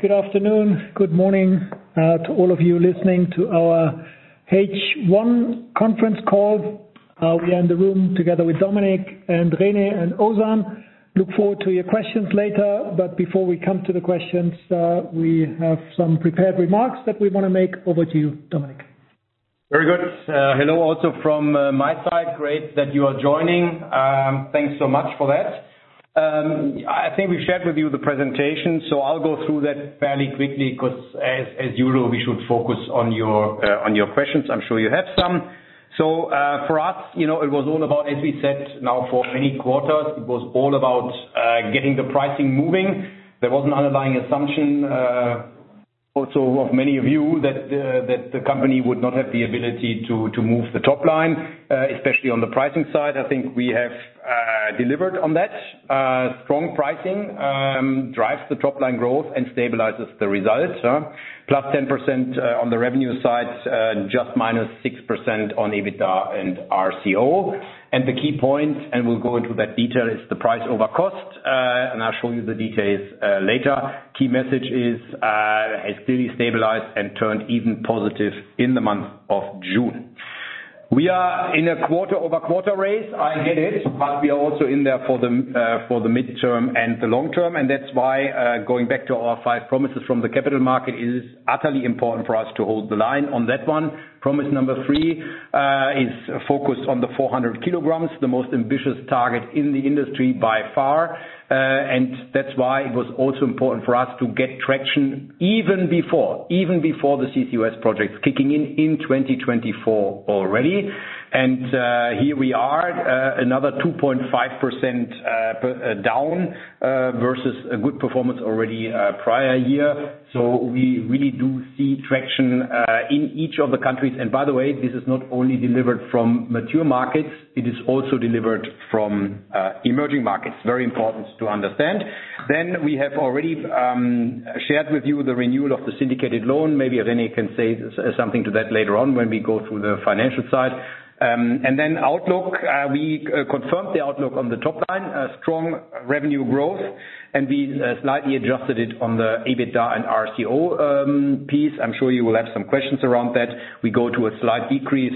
Good afternoon, good morning, to all of you listening to our H1 conference call. We are in the room together with Dominik and René and Ozan. Look forward to your questions later, but before we come to the questions, we have some prepared remarks that we wanna make. Over to you, Dominik. Very good. Hello also from my side. Great that you are joining. Thanks so much for that. I think we've shared with you the presentation, so I'll go through that fairly quickly 'cause as you know, we should focus on your questions. I'm sure you have some. For us, you know, it was all about, as we said now for many quarters, it was all about getting the pricing moving. There was an underlying assumption also of many of you that the company would not have the ability to move the top line, especially on the pricing side. I think we have delivered on that. Strong pricing drives the top-line growth and stabilizes the results, +10% on the revenue side, just -6% on EBITDA and RCO. The key point, and we'll go into that detail, is the price over cost, and I'll show you the details later. Key message is has clearly stabilized and turned even positive in the month of June. We are in a quarter-over-quarter race, I get it, but we are also in there for the midterm and the long term, and that's why, going back to our five promises from the capital market, it is utterly important for us to hold the line on that one. Promise number three is focused on the 400 kg, the most ambitious target in the industry by far. That's why it was also important for us to get traction even before the CCUS projects kicking in in 2024 already. Here we are, another 2.5% down versus a good performance already prior year. We really do see traction in each of the countries. By the way, this is not only delivered from mature markets, it is also delivered from emerging markets. Very important to understand. We have already shared with you the renewal of the syndicated loan. Maybe René can say something to that later on when we go through the financial side. We confirmed the outlook on the top line, a strong revenue growth, and we slightly adjusted it on the EBITDA and RCO piece. I'm sure you will have some questions around that. We go to a slight decrease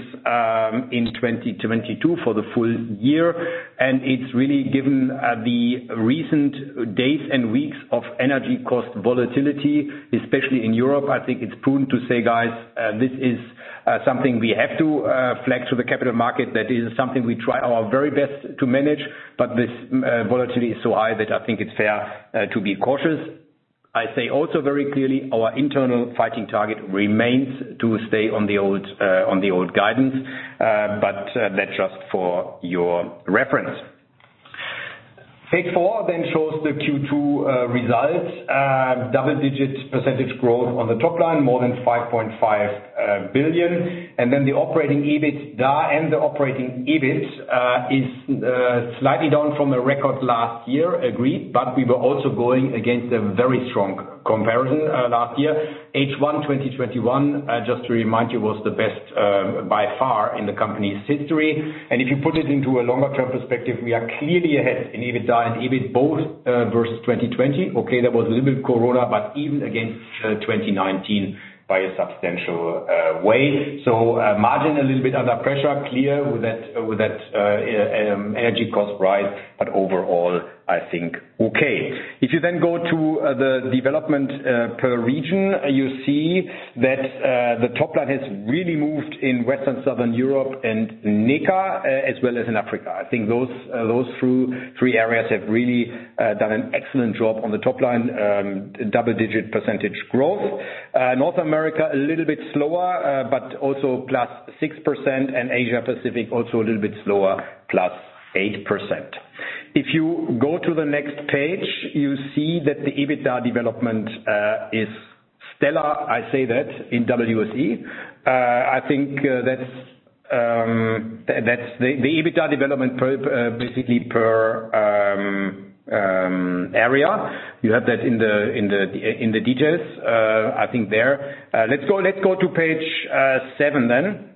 in 2022 for the full year, and it's really given the recent days and weeks of energy cost volatility, especially in Europe. I think it's prudent to say, guys, this is something we have to flag to the capital market. That is something we try our very best to manage, but this volatility is so high that I think it's fair to be cautious. I say also very clearly our internal EBIT target remains to stay on the old guidance, but that's just for your reference. Page four shows the Q2 results. Double-digit % growth on the top line, more than 5.5 billion. The operating EBITDA and the operating EBIT is slightly down from a record last year, agreed, but we were also going against a very strong comparison last year. H1 2021 just to remind you, was the best by far in the company's history. If you put it into a longer-term perspective, we are clearly ahead in EBITDA and EBIT both versus 2020. Okay, there was a little bit of corona, but even against 2019 by a substantial way. Margin a little bit under pressure, clear with that, energy cost rise, but overall, I think okay. If you then go to the development per region, you see that the top line has really moved in Western Southern Europe and NICA as well as in Africa. I think those two, three areas have really done an excellent job on the top line, double-digit percentage growth. North America, a little bit slower, but also plus 6%, and Asia Pacific also a little bit slower, plus 8%. If you go to the next page, you see that the EBITDA development is stellar, I say that, in WSE. I think that's the EBITDA development per basically per area. You have that in the details, I think there. Let's go to page seven then.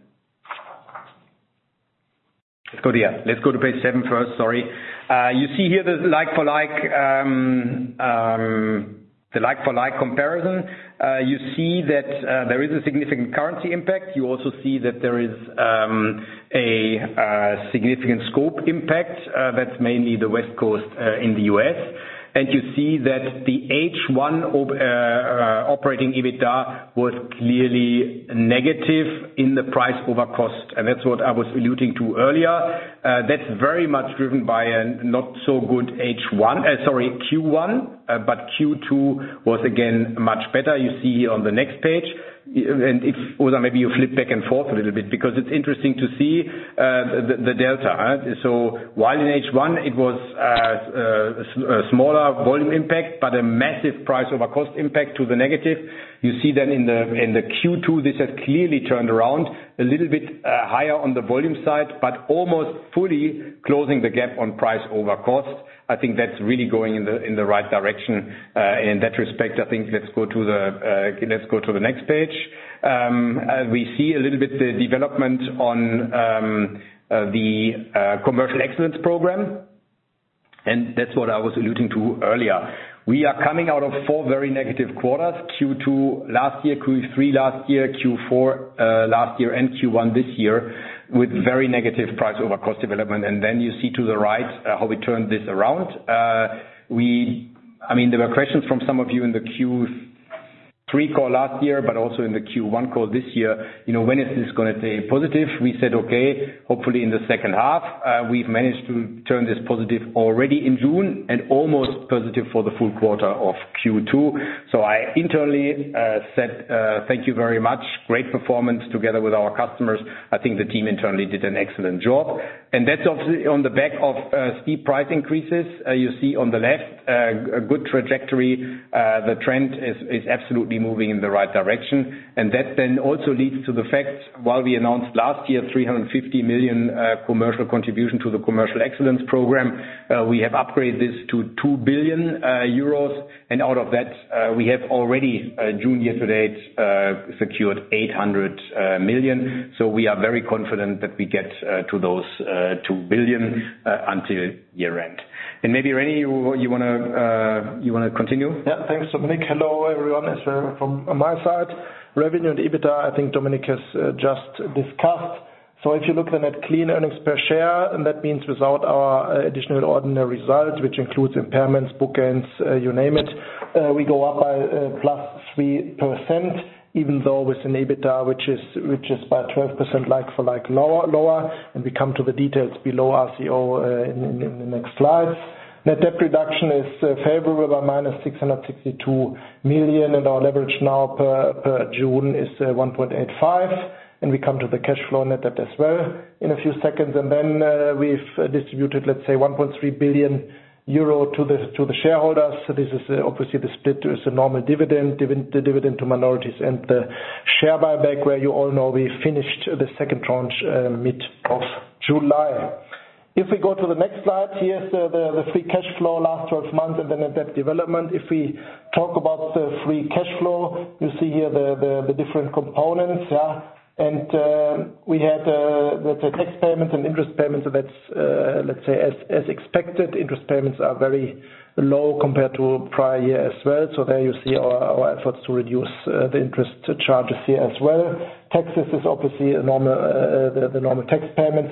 Let's go, yeah. Let's go to page seven first, sorry. You see here the like for like, the like for like comparison. You see that there is a significant currency impact. You also see that there is a significant scope impact, that's mainly the West Coast in the U.S. You see that the H1 operating EBITDA was clearly negative in the price over cost. That's what I was alluding to earlier. That's very much driven by a not so good H1, sorry, Q1, but Q2 was again much better, you see here on the next page. If, Ozan, maybe you flip back and forth a little bit because it's interesting to see the delta. While in H1 it was a smaller volume impact, but a massive price over cost impact to the negative. You see then in the Q2, this has clearly turned around a little bit, higher on the volume side, but almost fully closing the gap on price over cost. I think that's really going in the right direction in that respect. I think let's go to the next page. We see a little bit the development on the Commercial Excellence Program. That's what I was alluding to earlier. We are coming out of four very negative quarters, Q2 last year, Q3 last year, Q4 last year and Q1 this year with very negative price over cost development. You see to the right how we turned this around. I mean, there were questions from some of you in the Q3 call last year, but also in the Q1 call this year, you know, when is this gonna stay positive? We said, "Okay, hopefully in the second half." We've managed to turn this positive already in June and almost positive for the full quarter of Q2. I internally said, "Thank you very much. Great performance together with our customers." I think the team internally did an excellent job. That's obviously on the back of steep price increases. You see on the left a good trajectory. The trend is absolutely moving in the right direction. That then also leads to the fact, while we announced last year 350 million commercial contribution to the Commercial Excellence Program, we have upgraded this to 2 billion euros. Out of that, we have already June year to date secured 800 million. We are very confident that we get to those two billion until year-end. Maybe, René, you wanna continue? Yeah, thanks, Dominik. Hello, everyone, as from my side. Revenue and EBITDA, I think Dominik has just discussed. If you look then at clean earnings per share, and that means without our additional ordinary results, which includes impairments, book gains, you name it, we go up by +3%, even though with an EBITDA which is by 12% like-for-like lower, and we come to the details below RCO in the next slide. Net debt reduction is favorable by -662 million, and our leverage now per June is 1.85. We come to the cash flow net debt as well in a few seconds. We've distributed, let's say, 1.3 billion euro to the shareholders. This is obviously the split. There is a normal dividend, the dividend to minorities and the share buyback, where you all know we finished the second tranche, mid of July. If we go to the next slide, here is the free cash flow last 12 months and then the net debt development. If we talk about the free cash flow, you see here the different components. We had the tax payment and interest payment, so that's let's say, as expected. Interest payments are very low compared to prior year as well. There you see our efforts to reduce the interest charges here as well. Taxes is obviously a normal tax payment.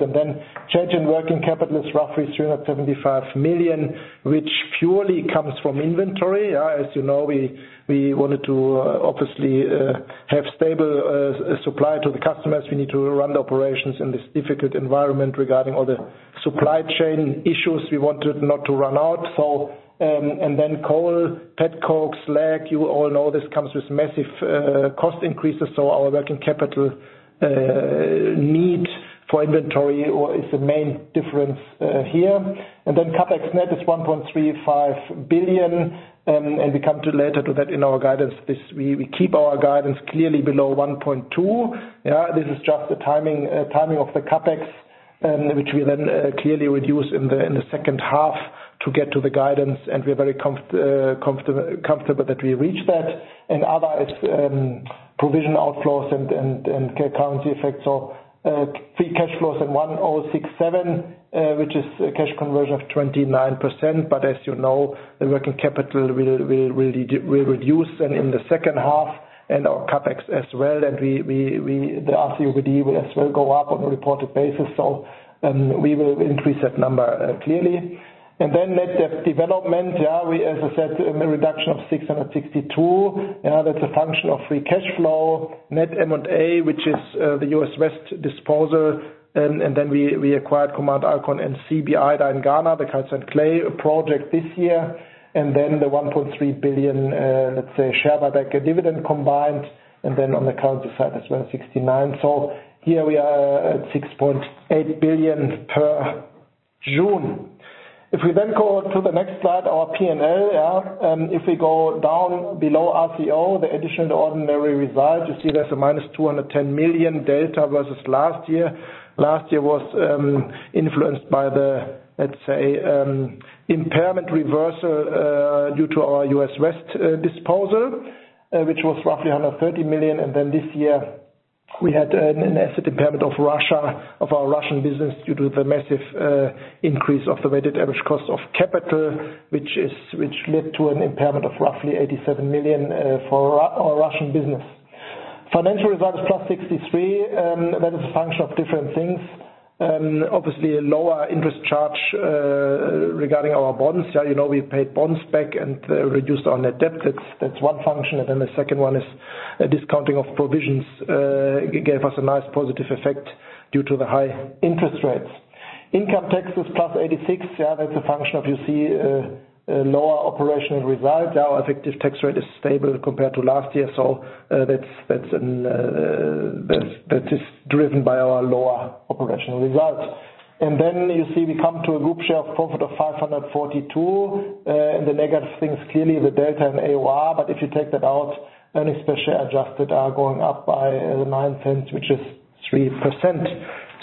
Change in working capital is roughly 375 million, which purely comes from inventory. As you know, we wanted to obviously have stable supply to the customers. We need to run the operations in this difficult environment regarding all the supply chain issues. We wanted not to run out. Coal, petcoke, slag, you all know this comes with massive cost increases, so our working capital need for inventory is the main difference here. CapEx net is 1.35 billion, and we come to that later in our guidance. We keep our guidance clearly below 1.2. Yeah, this is just the timing of the CapEx, which we then clearly reduce in the second half to get to the guidance, and we are very comfortable that we reach that. Other is provision outflows and currency effects. Free cash flows in 1,067, which is a cash conversion of 29%. As you know, the working capital will reduce then in the second half and our CapEx as well. The RCOBD will as well go up on a reported basis, so we will increase that number clearly. Net debt development, as I said, a reduction of 662. That's a function of free cash flow, net M&A, which is the U.S. West disposal, and we acquired Command Alkon and CBI there in Ghana, the calcined clay project this year. Then the 1.3 billion, let's say, share buyback and dividend combined. Then on the currency side as well, 69 million. Here we are at 6.8 billion per June. If we go to the next slide, our P&L. If we go down below RCO, the additional ordinary result, you see there's a minus 210 million delta versus last year. Last year was influenced by the, let's say, impairment reversal due to our U.S. West disposal, which was roughly 130 million. Then this year we had an asset impairment of our Russian business due to the massive increase of the weighted average cost of capital, which led to an impairment of roughly 87 million for our Russian business. Financial result is plus 63 million, that is a function of different things. Obviously a lower interest charge regarding our bonds. Yeah, you know, we paid bonds back and reduced our net debt. That's one function. Then the second one is a discounting of provisions gave us a nice positive effect due to the high interest rates. Income tax is plus 86 million. Yeah, that's a function of, you see, lower operational result. Our effective tax rate is stable compared to last year. That is driven by our lower operational results. You see we come to a group share of profit of 542. The negative things, clearly the delta and AOR, but if you take that out, earnings per share adjusted are going up by 0.09, which is 3%.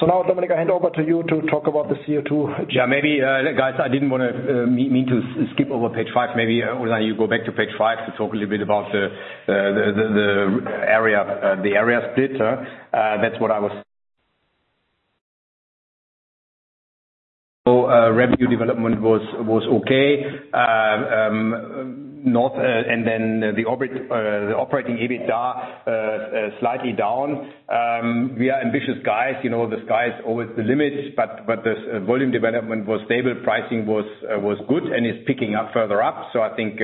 Now, Dominik, I hand over to you to talk about the CO2 agenda. Yeah, maybe, guys, I didn't wanna mean to skip over page five. Maybe, René, you go back to page five to talk a little bit about the area split, huh? Revenue development was okay. In North America, and then the operating EBITDA slightly down. We are ambitious guys, you know, the sky is always the limit, but the volume development was stable, pricing was good and is picking up further up. I think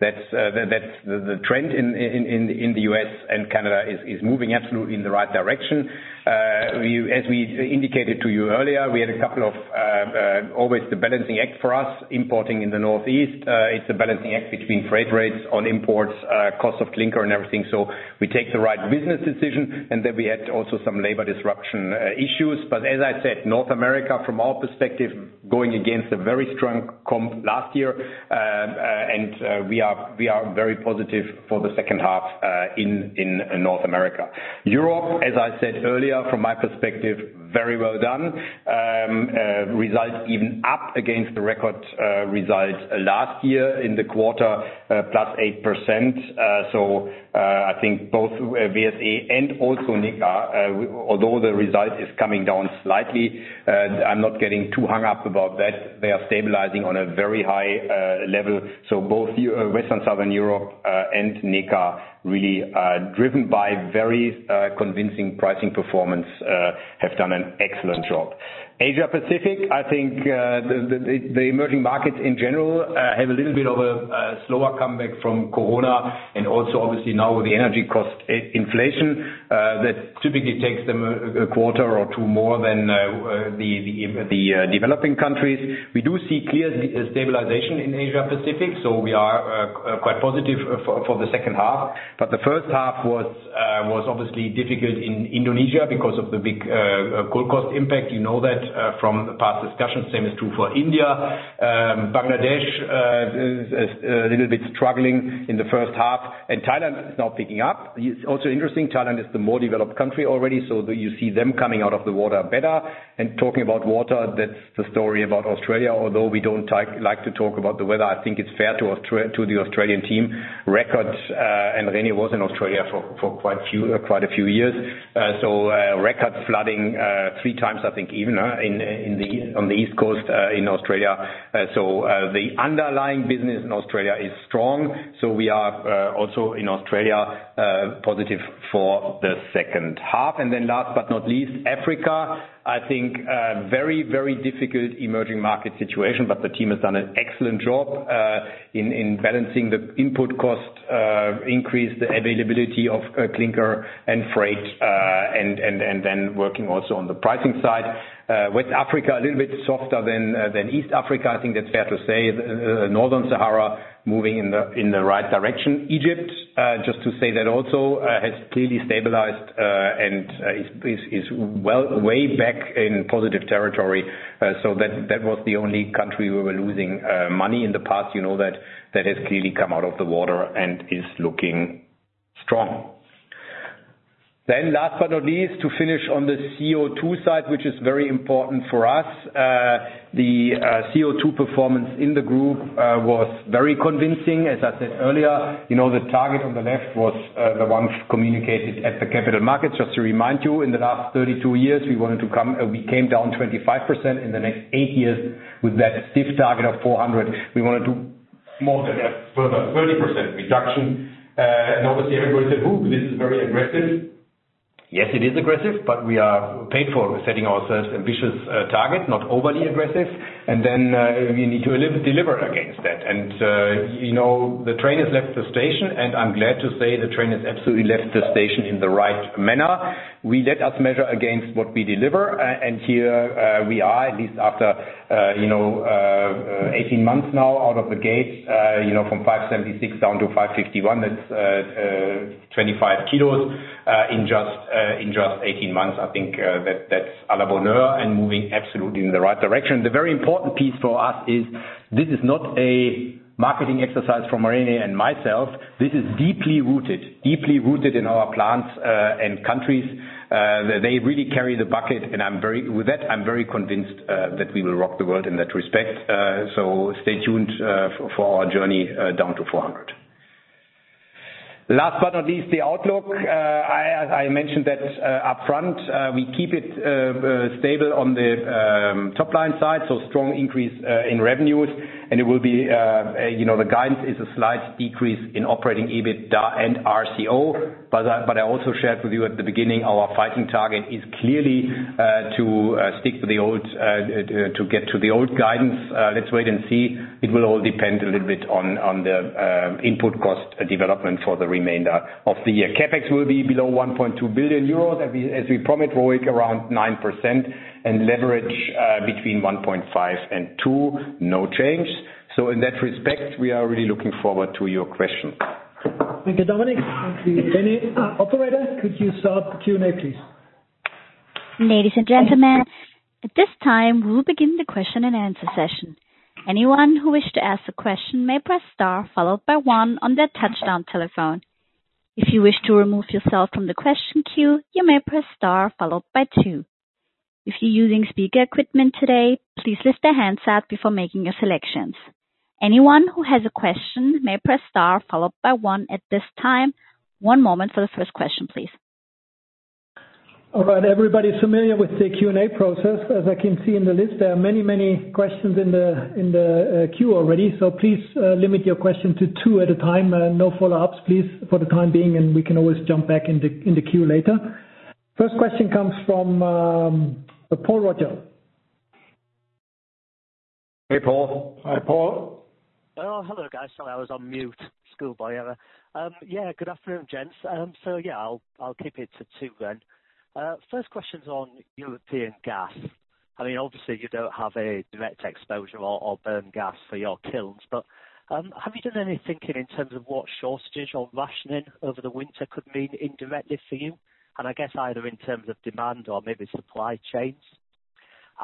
that's the trend in the US and Canada is moving absolutely in the right direction. As we indicated to you earlier, we have always the balancing act for us importing in the Northeast. It's a balancing act between freight rates on imports, cost of clinker and everything. We take the right business decision, and then we had also some labor disruption issues. As I said, North America from our perspective, going against a very strong comp last year. We are very positive for the second half in North America. Europe, as I said earlier, from my perspective, very well done. Results even up against the record results last year in the quarter, +8%. I think both VSA and also NICA, although the result is coming down slightly, I'm not getting too hung up about that. They are stabilizing on a very high level. Both EU West and Southern Europe and NICA really are driven by very convincing pricing performance, have done an excellent job. Asia-Pacific, I think, the emerging markets in general have a little bit of a slower comeback from Corona and also obviously now the energy cost inflation, that typically takes them a quarter or two more than the developing countries. We do see clear stabilization in Asia-Pacific, so we are quite positive for the second half. The first half was obviously difficult in Indonesia because of the big coal cost impact. You know that from the past discussions. Same is true for India. Bangladesh is a little bit struggling in the first half, and Thailand is now picking up. It's also interesting, Thailand is the more developed country already, so you see them coming out of the water better. Talking about water, that's the story about Australia. Although we don't like to talk about the weather, I think it's fair to the Australian team. Records, and René was in Australia for quite a few years. Record flooding three times, I think even, on the East Coast in Australia. The underlying business in Australia is strong, so we are also in Australia positive for the second half. Last but not least, Africa. I think a very, very difficult emerging market situation, but the team has done an excellent job in balancing the input cost increase the availability of clinker and freight and then working also on the pricing side. West Africa a little bit softer than East Africa. I think that's fair to say. Northern Sahara moving in the right direction. Egypt just to say that also has clearly stabilized and is well way back in positive territory. So that was the only country we were losing money in the past. You know that has clearly come out of the water and is looking strong. Last but not least, to finish on the CO₂ side, which is very important for us. The CO₂ performance in the group was very convincing. As I said earlier, you know, the target on the left was the one communicated at the capital markets. Just to remind you, in the last 32 years, we came down 25%. In the next 8 years, with that stiff target of 400, we wanna do more than that, further 30% reduction. Obviously everybody said, "Ooh, this is very aggressive." Yes, it is aggressive, but we are paid for setting ourselves ambitious target, not overly aggressive. Then we need to live, deliver against that. You know, the train has left the station, and I'm glad to say the train has absolutely left the station in the right manner. We let us measure against what we deliver. Here we are, at least after you know, 18 months now out of the gate, you know, from 576 down to 561. That's 25kgs in just 18 months. I think that that's à la bonne heure and moving absolutely in the right direction. The very important piece for us is this is not a marketing exercise for Marine and myself. This is deeply rooted. Deeply rooted in our plants and countries. They really carry the ball. With that, I'm very convinced that we will rock the world in that respect. Stay tuned for our journey down to 400. Last but not least, the outlook. I mentioned that upfront. We keep it stable on the top-line side, so strong increase in revenues. It will be the guidance is a slight decrease in operating EBITDA and RCO. I also shared with you at the beginning, our guiding target is clearly to stick to the old guidance. Let's wait and see. It will all depend a little bit on the input cost development for the remainder of the year. CapEx will be below 1.2 billion euros as we promised, ROIC around 9% and leverage between 1.5 and 2, no change. In that respect, we are really looking forward to your questions. Thank you, Dominik. Thank you. Operator, could you start the Q&A, please? Ladies and gentlemen, at this time, we'll begin the question and answer session. Anyone who wished to ask a question may press star followed by one on their touch-tone telephone. If you wish to remove yourself from the question queue, you may press star followed by two. If you're using speaker equipment today, please lift the handset before making your selections. Anyone who has a question may press star followed by one at this time. One moment for the first question, please. All right. Everybody familiar with the Q&A process. As I can see in the list, there are many, many questions in the queue already. So please, limit your question to two at a time and no follow-ups, please, for the time being, and we can always jump back in the queue later. First question comes from Paul Roger. Hey, Paul. Hi, Paul. Oh, hello guys. Sorry, I was on mute. Schoolboy error. Yeah, good afternoon, gents. So yeah, I'll keep it to two then. First question's on European gas. I mean, obviously you don't have a direct exposure or burn gas for your kilns, but have you done any thinking in terms of what shortage or rationing over the winter could mean indirectly for you? I guess either in terms of demand or maybe supply chains.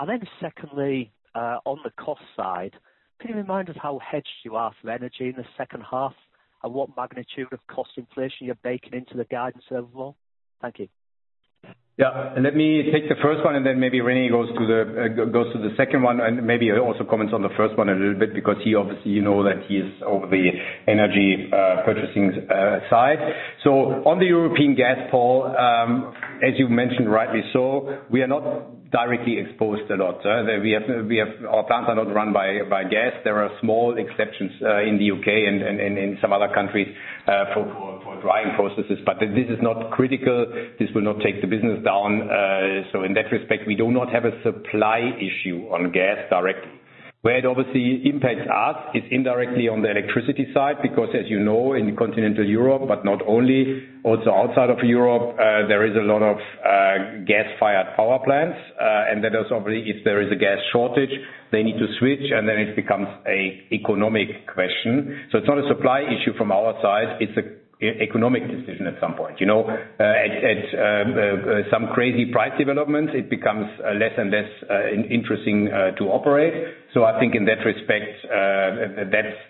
Then secondly, on the cost side, can you remind us how hedged you are for energy in the second half? And what magnitude of cost inflation you're baking into the guidance overall? Thank you. Yeah. Let me take the first one, and then maybe René goes to the second one and maybe also comments on the first one a little bit, because he obviously, you know, that he's over the energy purchasing side. On the European gas, Paul, as you mentioned rightly so, we are not directly exposed a lot. We have. Our plants are not run by gas. There are small exceptions in the UK and some other countries for drying processes, but this is not critical. This will not take the business down. In that respect, we do not have a supply issue on gas directly. Where it obviously impacts us is indirectly on the electricity side, because as you know, in continental Europe, but not only, also outside of Europe, there is a lot of gas-fired power plants. Then also if there is a gas shortage, they need to switch and then it becomes an economic question. So it's not a supply issue from our side, it's economic decision at some point, you know. At some crazy price developments, it becomes less and less interesting to operate. So I think in that respect,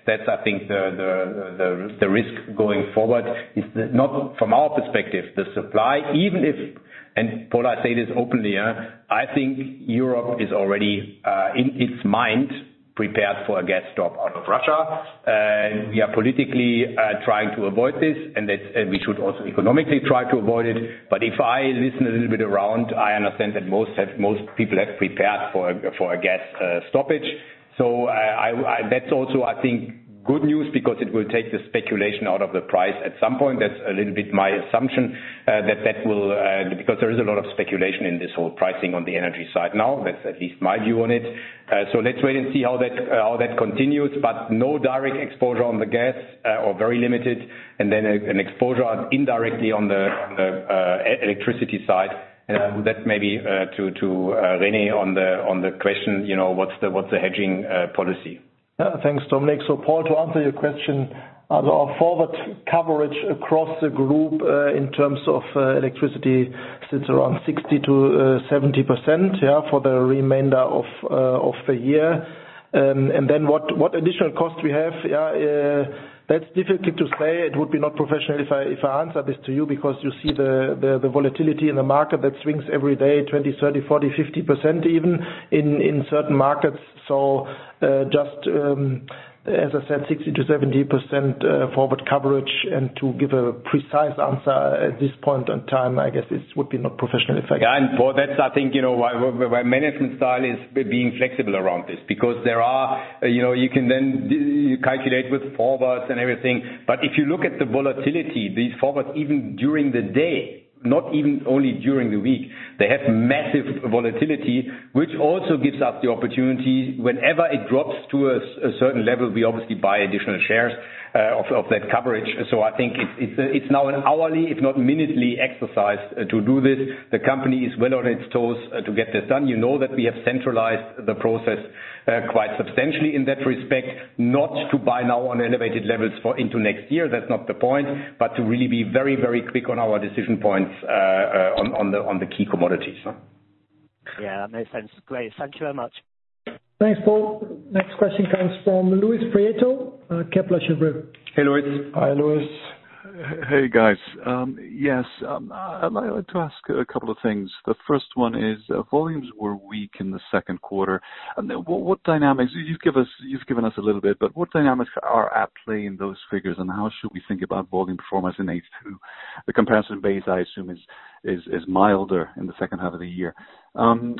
that's I think the risk going forward is not from our perspective, the supply. Paul, I say this openly, yeah. I think Europe is already in its mind prepared for a gas stop out of Russia. We are politically trying to avoid this, and that we should also economically try to avoid it. If I listen a little bit around, I understand that most people have prepared for a gas stoppage. That's also, I think, good news because it will take the speculation out of the price at some point. That's a little bit my assumption that will, because there is a lot of speculation in this whole pricing on the energy side now. That's at least my view on it. Let's wait and see how that continues, but no direct exposure on the gas or very limited, and then an exposure indirectly on the electricity side. That may be to René on the question, you know, what's the hedging policy. Thanks, Dominik. Paul, to answer your question, our forward coverage across the group, in terms of electricity, sits around 60%-70% for the remainder of the year. Then what additional costs we have, that's difficult to say. It would be not professional if I answer this to you because you see the volatility in the market that swings every day 20%, 30%, 40%, 50% even in certain markets. As I said, 60%-70% forward coverage. To give a precise answer at this point in time, I guess this would be not professional if I- Yeah. Paul, that's I think, you know, why management style is being flexible around this. Because there are, you know, you can then calculate with forwards and everything. But if you look at the volatility, these forwards, even during the day, not even only during the week, they have massive volatility, which also gives us the opportunity. Whenever it drops to a certain level, we obviously buy additional shares of that coverage. So I think it's now an hourly, if not minutely exercise to do this. The company is well on its toes to get this done. You know that we have centralized the process quite substantially in that respect. Not to buy now on elevated levels for into next year, that's not the point. To really be very quick on our decision points on the key commodities. Yeah, makes sense. Great. Thank you very much. Thanks, Paul. Next question comes from Luis Prieto, Kepler Cheuvreux. Hey, Luis. Hi, Luis. Hey, guys. Yes, I'd like to ask a couple of things. The first one is, volumes were weak in the second quarter. What dynamics are at play in those figures, and how should we think about volume performance in H2? The comparison base, I assume is milder in the second half of the year. The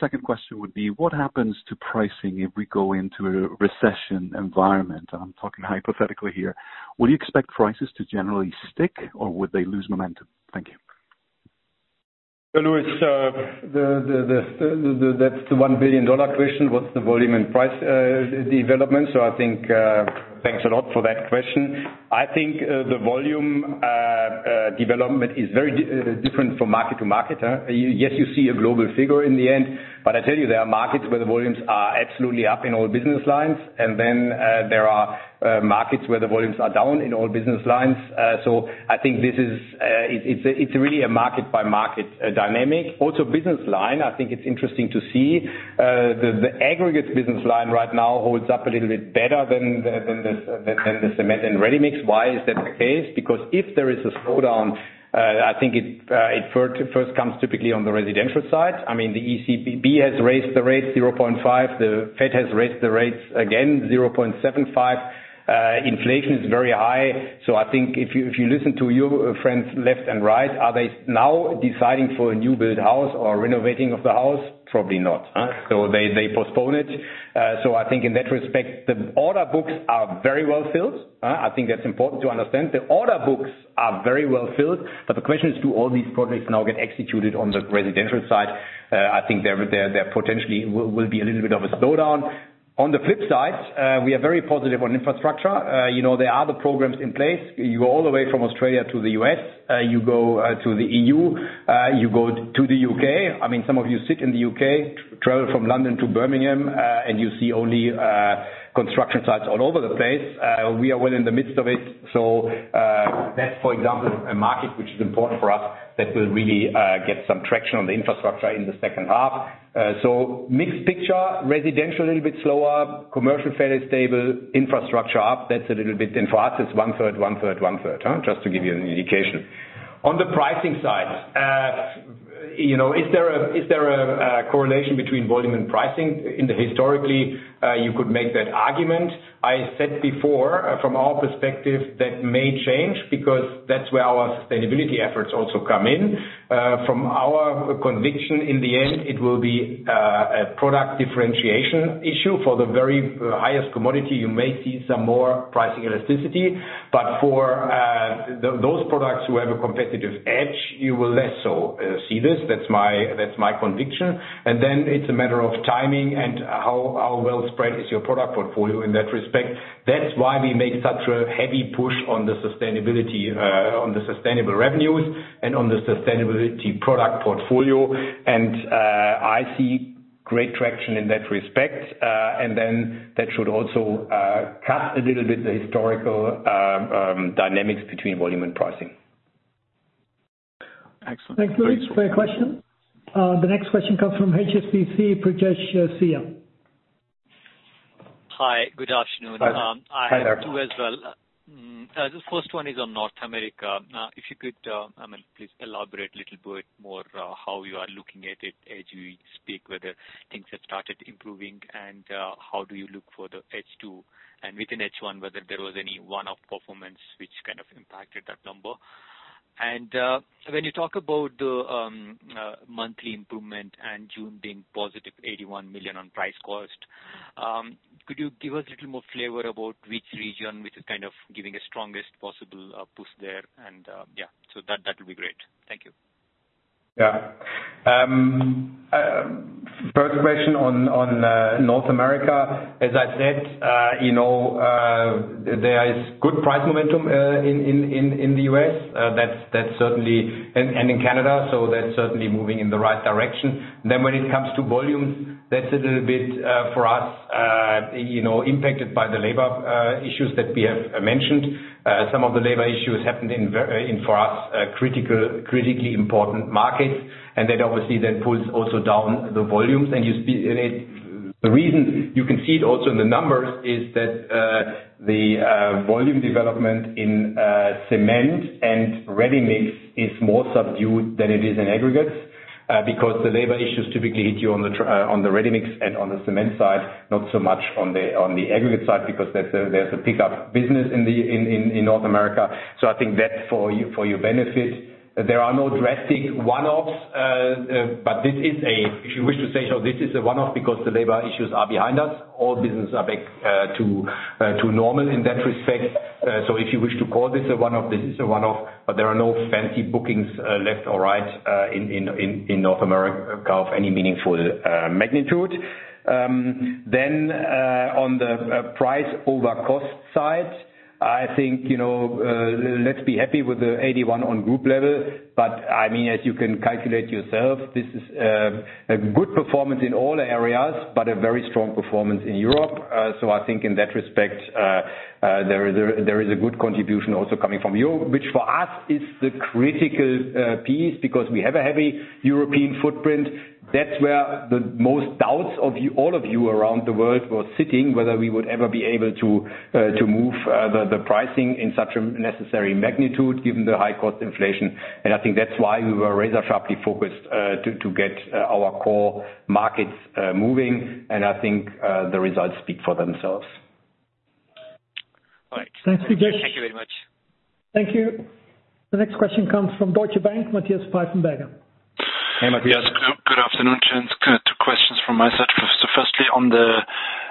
second question would be, what happens to pricing if we go into a recession environment? I'm talking hypothetically here. Would you expect prices to generally stick, or would they lose momentum? Thank you. Luis, that's the 1 billion dollar question. What's the volume and price development? I think, thanks a lot for that question. I think the volume development is very different from market to market. Yes, you see a global figure in the end, but I tell you there are markets where the volumes are absolutely up in all business lines. There are markets where the volumes are down in all business lines. I think this is really a market by market dynamic. Also business line, I think it's interesting to see the aggregate business line right now holds up a little bit better than the Cement and Ready Mix. Why is that the case? Because if there is a slowdown, I think it first comes typically on the residential side. I mean, the ECB has raised the rate 0.5%. The Fed has raised the rates again 0.75%. Inflation is very high. I think if you listen to your friends left and right, are they now deciding for a new build house or renovating of the house? Probably not. They postpone it. I think in that respect, the order books are very well filled. I think that's important to understand. The order books are very well filled, but the question is, do all these projects now get executed on the residential side? I think there potentially will be a little bit of a slowdown. On the flip side, we are very positive on infrastructure. You know, there are the programs in place. You go all the way from Australia to the U.S., you go to the EU, you go to the U.K. I mean, some of you sit in the U.K., travel from London to Birmingham, and you see only construction sites all over the place. We are well in the midst of it. That's for example, a market which is important for us that will really get some traction on the infrastructure in the second half. Mixed picture, residential a little bit slower, commercial fairly stable, infrastructure up. That's a little bit and for us it's one third, one third, one third, huh? Just to give you an indication. On the pricing side, you know, is there a correlation between volume and pricing? Historically, you could make that argument. I said before, from our perspective, that may change because that's where our sustainability efforts also come in. From our conviction, in the end, it will be a product differentiation issue. For the very highest commodity, you may see some more pricing elasticity, but for those products who have a competitive edge, you will less so see this. That's my conviction. Then it's a matter of timing and how well spread is your product portfolio in that respect. That's why we make such a heavy push on the sustainability, on the sustainable revenues and on the sustainability product portfolio. I see great traction in that respect. That should also cut a little bit the historical dynamics between volume and pricing. Excellent. Thanks, Luis Prieto, for your question. The next question comes from HSBC, Pujarini Ghosh. Hi. Good afternoon. Hi there. I have two as well. The first one is on North America. If you could, I mean, please elaborate a little bit more, how you are looking at it as we speak, whether things have started improving and how do you look for the H2 and within H1, whether there was any one-off performance which kind of impacted that number. When you talk about the monthly improvement and June being positive 81 million on price-cost, could you give us a little more flavor about which region is kind of giving the strongest possible push there and yeah. That would be great. Thank you. Yeah. First question on North America, as I said, you know, there is good price momentum in the US, that's certainly and in Canada, so that's certainly moving in the right direction. When it comes to volumes, that's a little bit for us, you know, impacted by the labor issues that we have mentioned. Some of the labor issues happened in, for us, critically important markets. That obviously pulls also down the volumes. You see the reason you can see it also in the numbers is that, the volume development in cement and ready-mix is more subdued than it is in aggregates, because the labor issues typically hit you on the ready-mix and on the cement side, not so much on the aggregate side because there's a pickup business in North America. I think that for your benefit, there are no drastic one-offs. But this is a, if you wish to say so, this is a one-off because the labor issues are behind us. All business are back to normal in that respect. If you wish to call this a one-off, this is a one-off, but there are no fancy bookings, left or right, in North America of any meaningful magnitude. On the price over cost side, I think, you know, let's be happy with the 81% on group level. I mean, as you can calculate yourself, this is a good performance in all areas, but a very strong performance in Europe. I think in that respect, there is a good contribution also coming from you, which for us is the critical piece because we have a heavy European footprint. That's where the most doubts of you, all of you around the world were sitting, whether we would ever be able to to move the pricing in such a necessary magnitude given the high cost inflation. I think that's why we were razor sharply focused to get our core markets moving. I think the results speak for themselves. All right. Thanks, Pujarini Ghosh. Thank you very much. Thank you. The next question comes from Deutsche Bank, Matthias Pfeifenberger. Hey, Matthias. Yes. Good afternoon, gents. Two questions from my side. Firstly, on the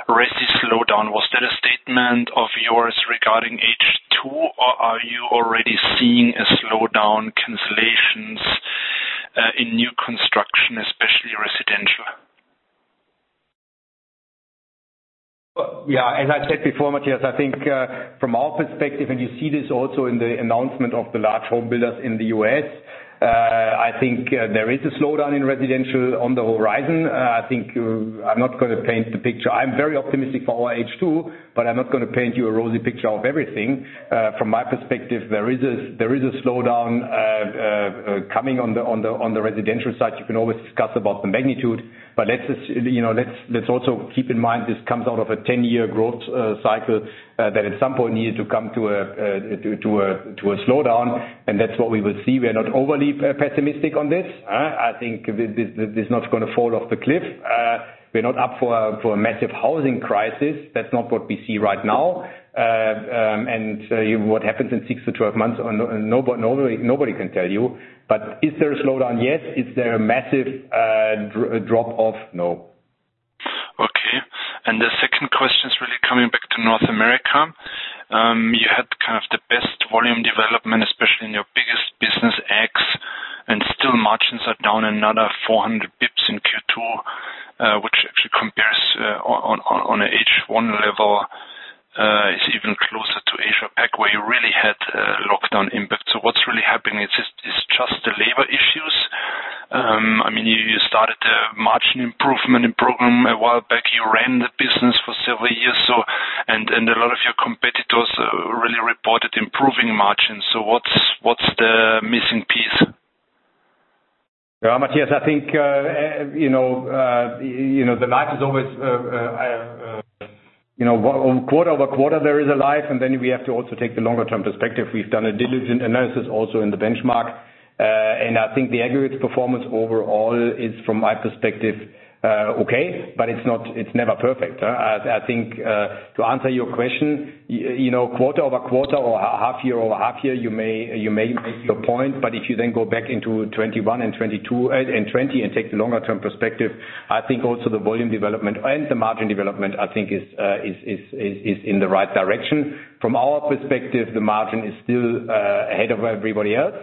resi slowdown, was that a statement of yours regarding H2, or are you already seeing a slowdown, cancellations, in new construction, especially residential? Yeah, as I said before, Matthias, I think from our perspective, and you see this also in the announcement of the large home builders in the U.S., I think there is a slowdown in residential on the horizon. I think I'm not gonna paint the picture. I'm very optimistic for our H2, but I'm not gonna paint you a rosy picture of everything. From my perspective, there is a slowdown coming on the residential side. You can always discuss about the magnitude, but let's just, you know, let's also keep in mind this comes out of a ten-year growth cycle that at some point needed to come to a slowdown, and that's what we will see. We are not overly pessimistic on this. I think this is not gonna fall off the cliff. We're not up for a massive housing crisis. That's not what we see right now. What happens in 6-12 months, nobody can tell you. Is there a slowdown? Yes. Is there a massive drop off? No. The second question is really coming back to North America. You had kind of the best volume development, especially in your biggest business US, and still margins are down another 400 pips in Q2, which actually compares on a H1 level, is even closer to Asia-Pac, where you really had a lockdown impact. What's really happening? Is this just the labor issues? I mean, you started a margin improvement program a while back. You ran the business for several years. A lot of your competitors really reported improving margins. What's the missing piece? Yeah, Matthias, I think, you know, you know, the lag is always, you know, quarter-over-quarter there is a lag, and then we have to also take the longer term perspective. We've done a diligent analysis also in the benchmark. I think the aggregate performance overall is, from my perspective, okay, but it's not, it's never perfect. I think, to answer your question, you know, quarter-over-quarter or half-year-over-half-year, you may make your point, but if you then go back into 2021 and 2022 and 2020 and take the longer term perspective, I think also the volume development and the margin development, I think is in the right direction. From our perspective, the margin is still ahead of everybody else.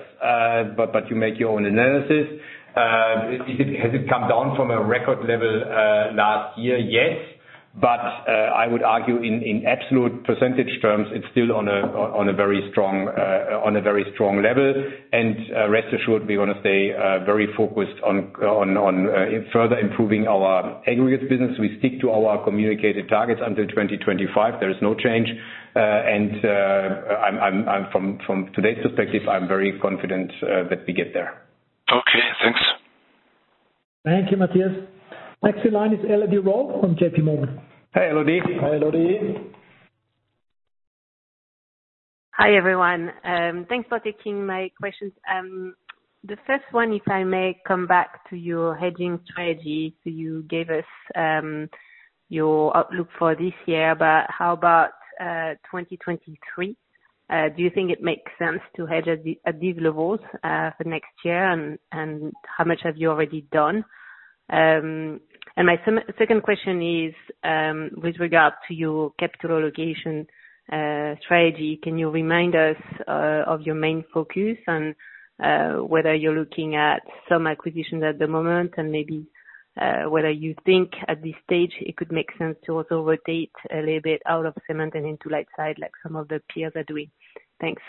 You make your own analysis. Has it come down from a record level last year? Yes. I would argue in absolute percentage terms, it's still on a very strong level. Rest assured, we're gonna stay very focused on further improving our aggregates business. We stick to our communicated targets until 2025. There is no change. I'm from today's perspective, I'm very confident that we get there. Okay, thanks. Thank you, Matthias. Next in line is Elodie Rall from JP Morgan. Hi, Elodie. Hi, Elodie. Hi, everyone. Thanks for taking my questions. The first one, if I may come back to your hedging strategy. You gave us your outlook for this year, but how about 2023? Do you think it makes sense to hedge at these levels for next year, and how much have you already done? My second question is, with regard to your capital allocation strategy, can you remind us of your main focus and whether you're looking at some acquisitions at the moment and maybe whether you think at this stage it could make sense to also rotate a little bit out of cement and into light side like some of the peers are doing? Thanks.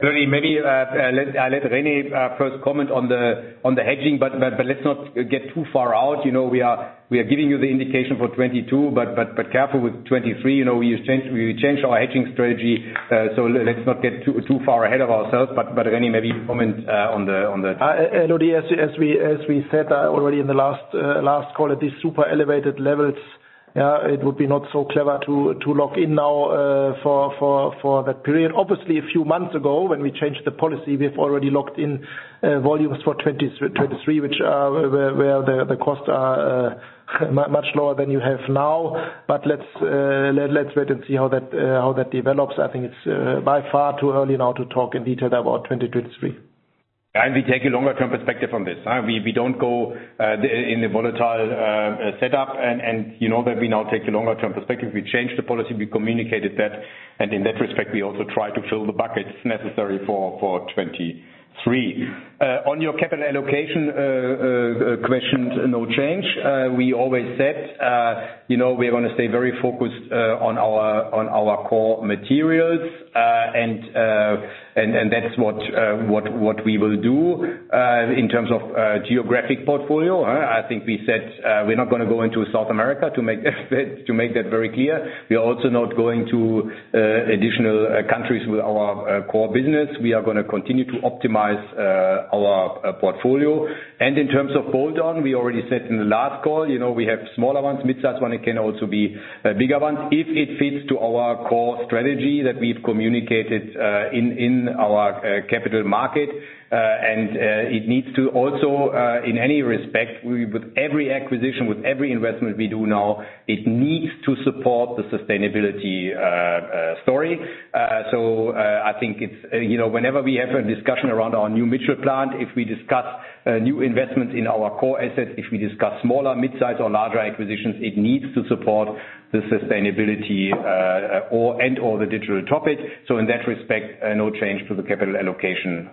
Elodie, maybe I'll let René first comment on the hedging, but let's not get too far out. You know, we are giving you the indication for 2022, but careful with 2023. You know, we changed our hedging strategy, so let's not get too far ahead of ourselves. But René, maybe comment on the Elodie, as we said already in the last call at these super elevated levels, it would be not so clever to lock in now for that period. Obviously a few months ago when we changed the policy, we've already locked in volumes for 2023, which, where the costs are much lower than you have now. Let's wait and see how that develops. I think it's by far too early now to talk in detail about 2023. We take a longer term perspective on this. We don't go in the volatile setup and, you know that we now take a longer term perspective. We changed the policy, we communicated that, and in that respect, we also try to fill the buckets necessary for 2023. On your capital allocation question, no change. We always said, you know, we're gonna stay very focused on our core materials, and that's what we will do. In terms of geographic portfolio, I think we said, we're not gonna go into South America, to make that very clear. We are also not going to additional countries with our core business. We are gonna continue to optimize our portfolio. In terms of bolt-on, we already said in the last call, you know, we have smaller ones, mid-sized one, it can also be bigger ones, if it fits to our core strategy that we've communicated in our capital market. It needs to also, in any respect, with every acquisition, with every investment we do now, it needs to support the sustainability story. I think it's, you know, whenever we have a discussion around our new Mitchell plant, if we discuss new investments in our core assets, if we discuss smaller, mid-size or larger acquisitions, it needs to support the sustainability or and/or the digital topic. In that respect, no change to the capital allocation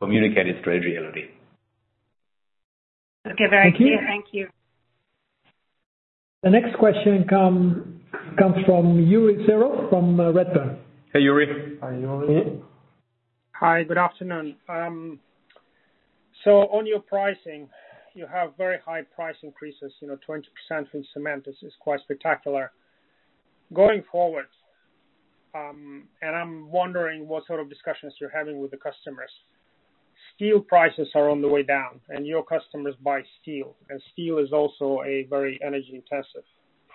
communicated strategy, Elodie. Okay. Very clear. Thank you. Thank you. The next question comes from Yury Taranov from Redburn. Hey, Yury. Hi, Yury. Hi, good afternoon. On your pricing, you have very high price increases, you know, 20% from cement. This is quite spectacular. Going forward, I'm wondering what sort of discussions you're having with the customers. Steel prices are on the way down and your customers buy steel, and steel is also a very energy intensive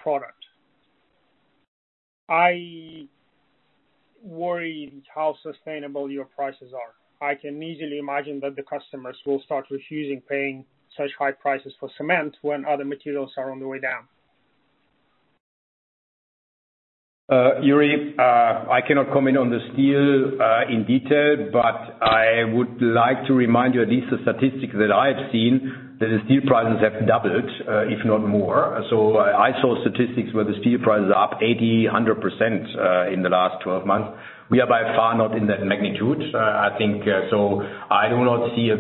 product. I worry how sustainable your prices are. I can easily imagine that the customers will start refusing paying such high prices for cement when other materials are on the way down. Yury, I cannot comment on the steel in detail, but I would like to remind you, at least the statistic that I have seen, that the steel prices have doubled, if not more. I saw statistics where the steel prices are up 80-100% in the last 12 months. We are by far not in that magnitude. I think I do not see a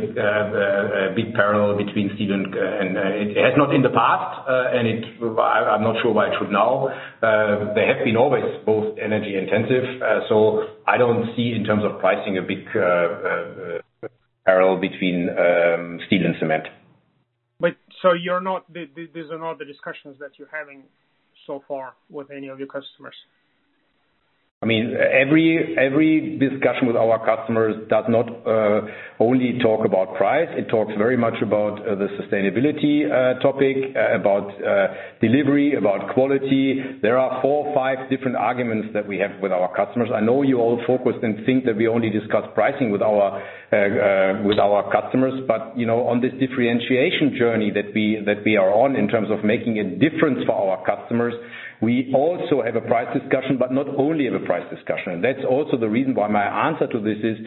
big parallel. It has not in the past, and I'm not sure why it should now. They have been always both energy intensive, so I don't see in terms of pricing a big parallel between steel and cement. You're not, these are not the discussions that you're having so far with any of your customers? I mean, every discussion with our customers does not only talk about price. It talks very much about the sustainability topic about delivery about quality. There are four, five different arguments that we have with our customers. I know you all focus and think that we only discuss pricing with our customers. You know, on this differentiation journey that we are on in terms of making a difference for our customers, we also have a price discussion, but not only have a price discussion. That's also the reason why my answer to this is,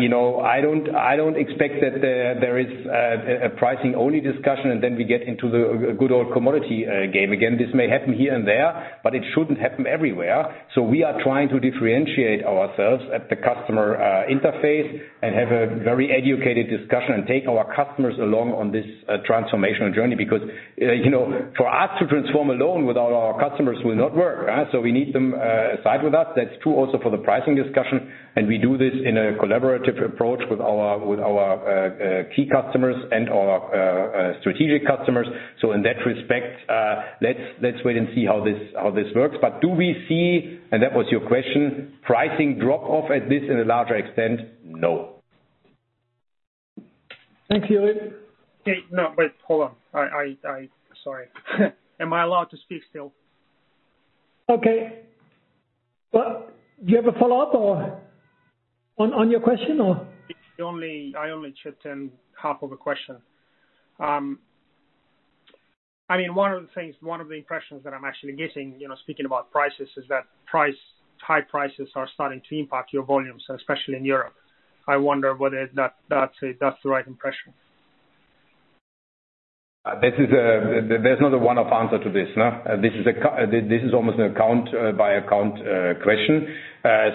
you know, I don't expect that there is a pricing only discussion, and then we get into the good old commodity game again. This may happen here and there, but it shouldn't happen everywhere. We are trying to differentiate ourselves at the customer interface and have a very educated discussion and take our customers along on this transformational journey. Because, you know, for us to transform alone without our customers will not work, so we need them aside with us. That's true also for the pricing discussion, and we do this in a collaborative approach with our key customers and our strategic customers. In that respect, let's wait and see how this works. Do we see, and that was your question, pricing drop off at this in a larger extent? No. Thanks, Yury. Hey, no, wait, hold on. Sorry. Am I allowed to speak still? Okay. Well, do you have a follow-up or on your question, or? I only chipped in half of a question. I mean, one of the things, one of the impressions that I'm actually getting, you know, speaking about prices, is that high prices are starting to impact your volumes, especially in Europe. I wonder whether that's the right impression. This is not a one-up answer to this, no? This is almost an account by account question.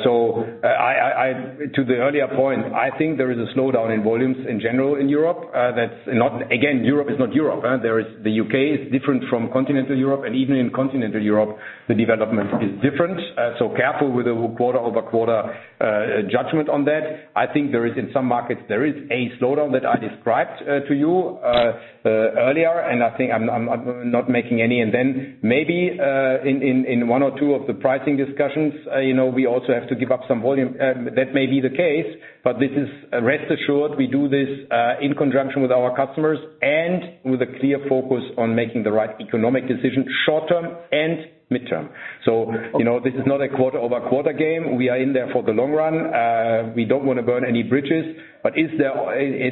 To the earlier point, I think there is a slowdown in volumes in general in Europe. That's not. Again, Europe is not Europe, uh? There is the UK is different from continental Europe and even in continental Europe, the development is different. So careful with the quarter-over-quarter judgment on that. I think there is in some markets there is a slowdown that I described to you earlier, and I think I'm not making any. Then maybe in one or two of the pricing discussions, you know, we also have to give up some volume. That may be the case, but this is, rest assured we do this in conjunction with our customers and with a clear focus on making the right economic decision short-term and midterm. You know, this is not a quarter-over-quarter game. We are in there for the long run. We don't wanna burn any bridges, but is there,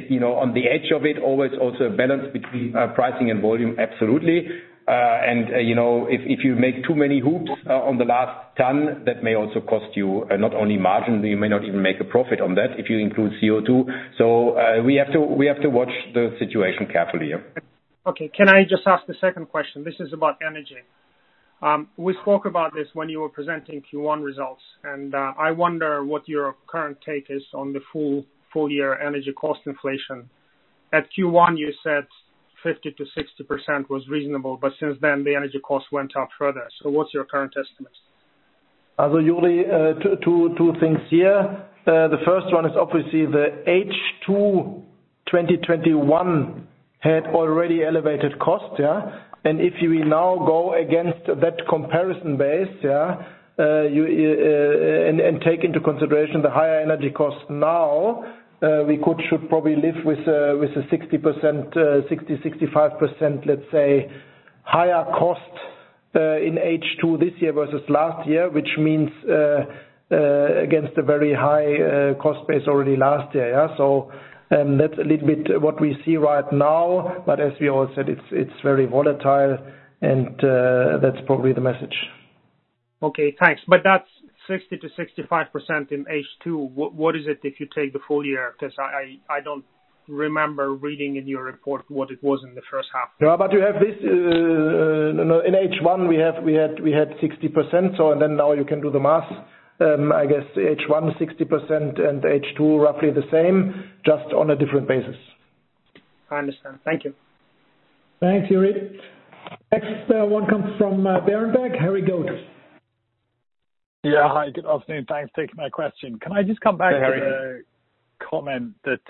you know, on the edge of it always also a balance between pricing and volume? Absolutely. You know, if you make too many hikes on the last ton, that may also cost you not only margin, but you may not even make a profit on that, if you include CO2. We have to watch the situation carefully, yeah. Okay. Can I just ask the second question? This is about energy. We spoke about this when you were presenting Q1 results, and I wonder what your current take is on the full year energy cost inflation. At Q1 you said 50%-60% was reasonable, but since then the energy costs went up further. What's your current estimates? Yury, two things here. The first one is obviously the H2 2021 had already elevated costs. If you now go against that comparison base, you and take into consideration the higher energy costs now, we should probably live with a 60%-65%, let's say, higher cost in H2 this year versus last year, which means against a very high cost base already last year. That's a little bit what we see right now, but as we all said, it's very volatile and that's probably the message. Okay, thanks. That's 60%-65% in H2. What is it if you take the full year? 'Cause I don't remember reading in your report what it was in the first half. No, but you have this, no, in H1, we had 60%, so and then now you can do the math. I guess H1 60% and H2 roughly the same, just on a different basis. I understand. Thank you. Thanks, Yury. Next, one comes from Berenberg, Harry Goad. Yeah, hi. Good afternoon. Thanks for taking my question. Can I just come back to the- Hi, Harry. Comment that,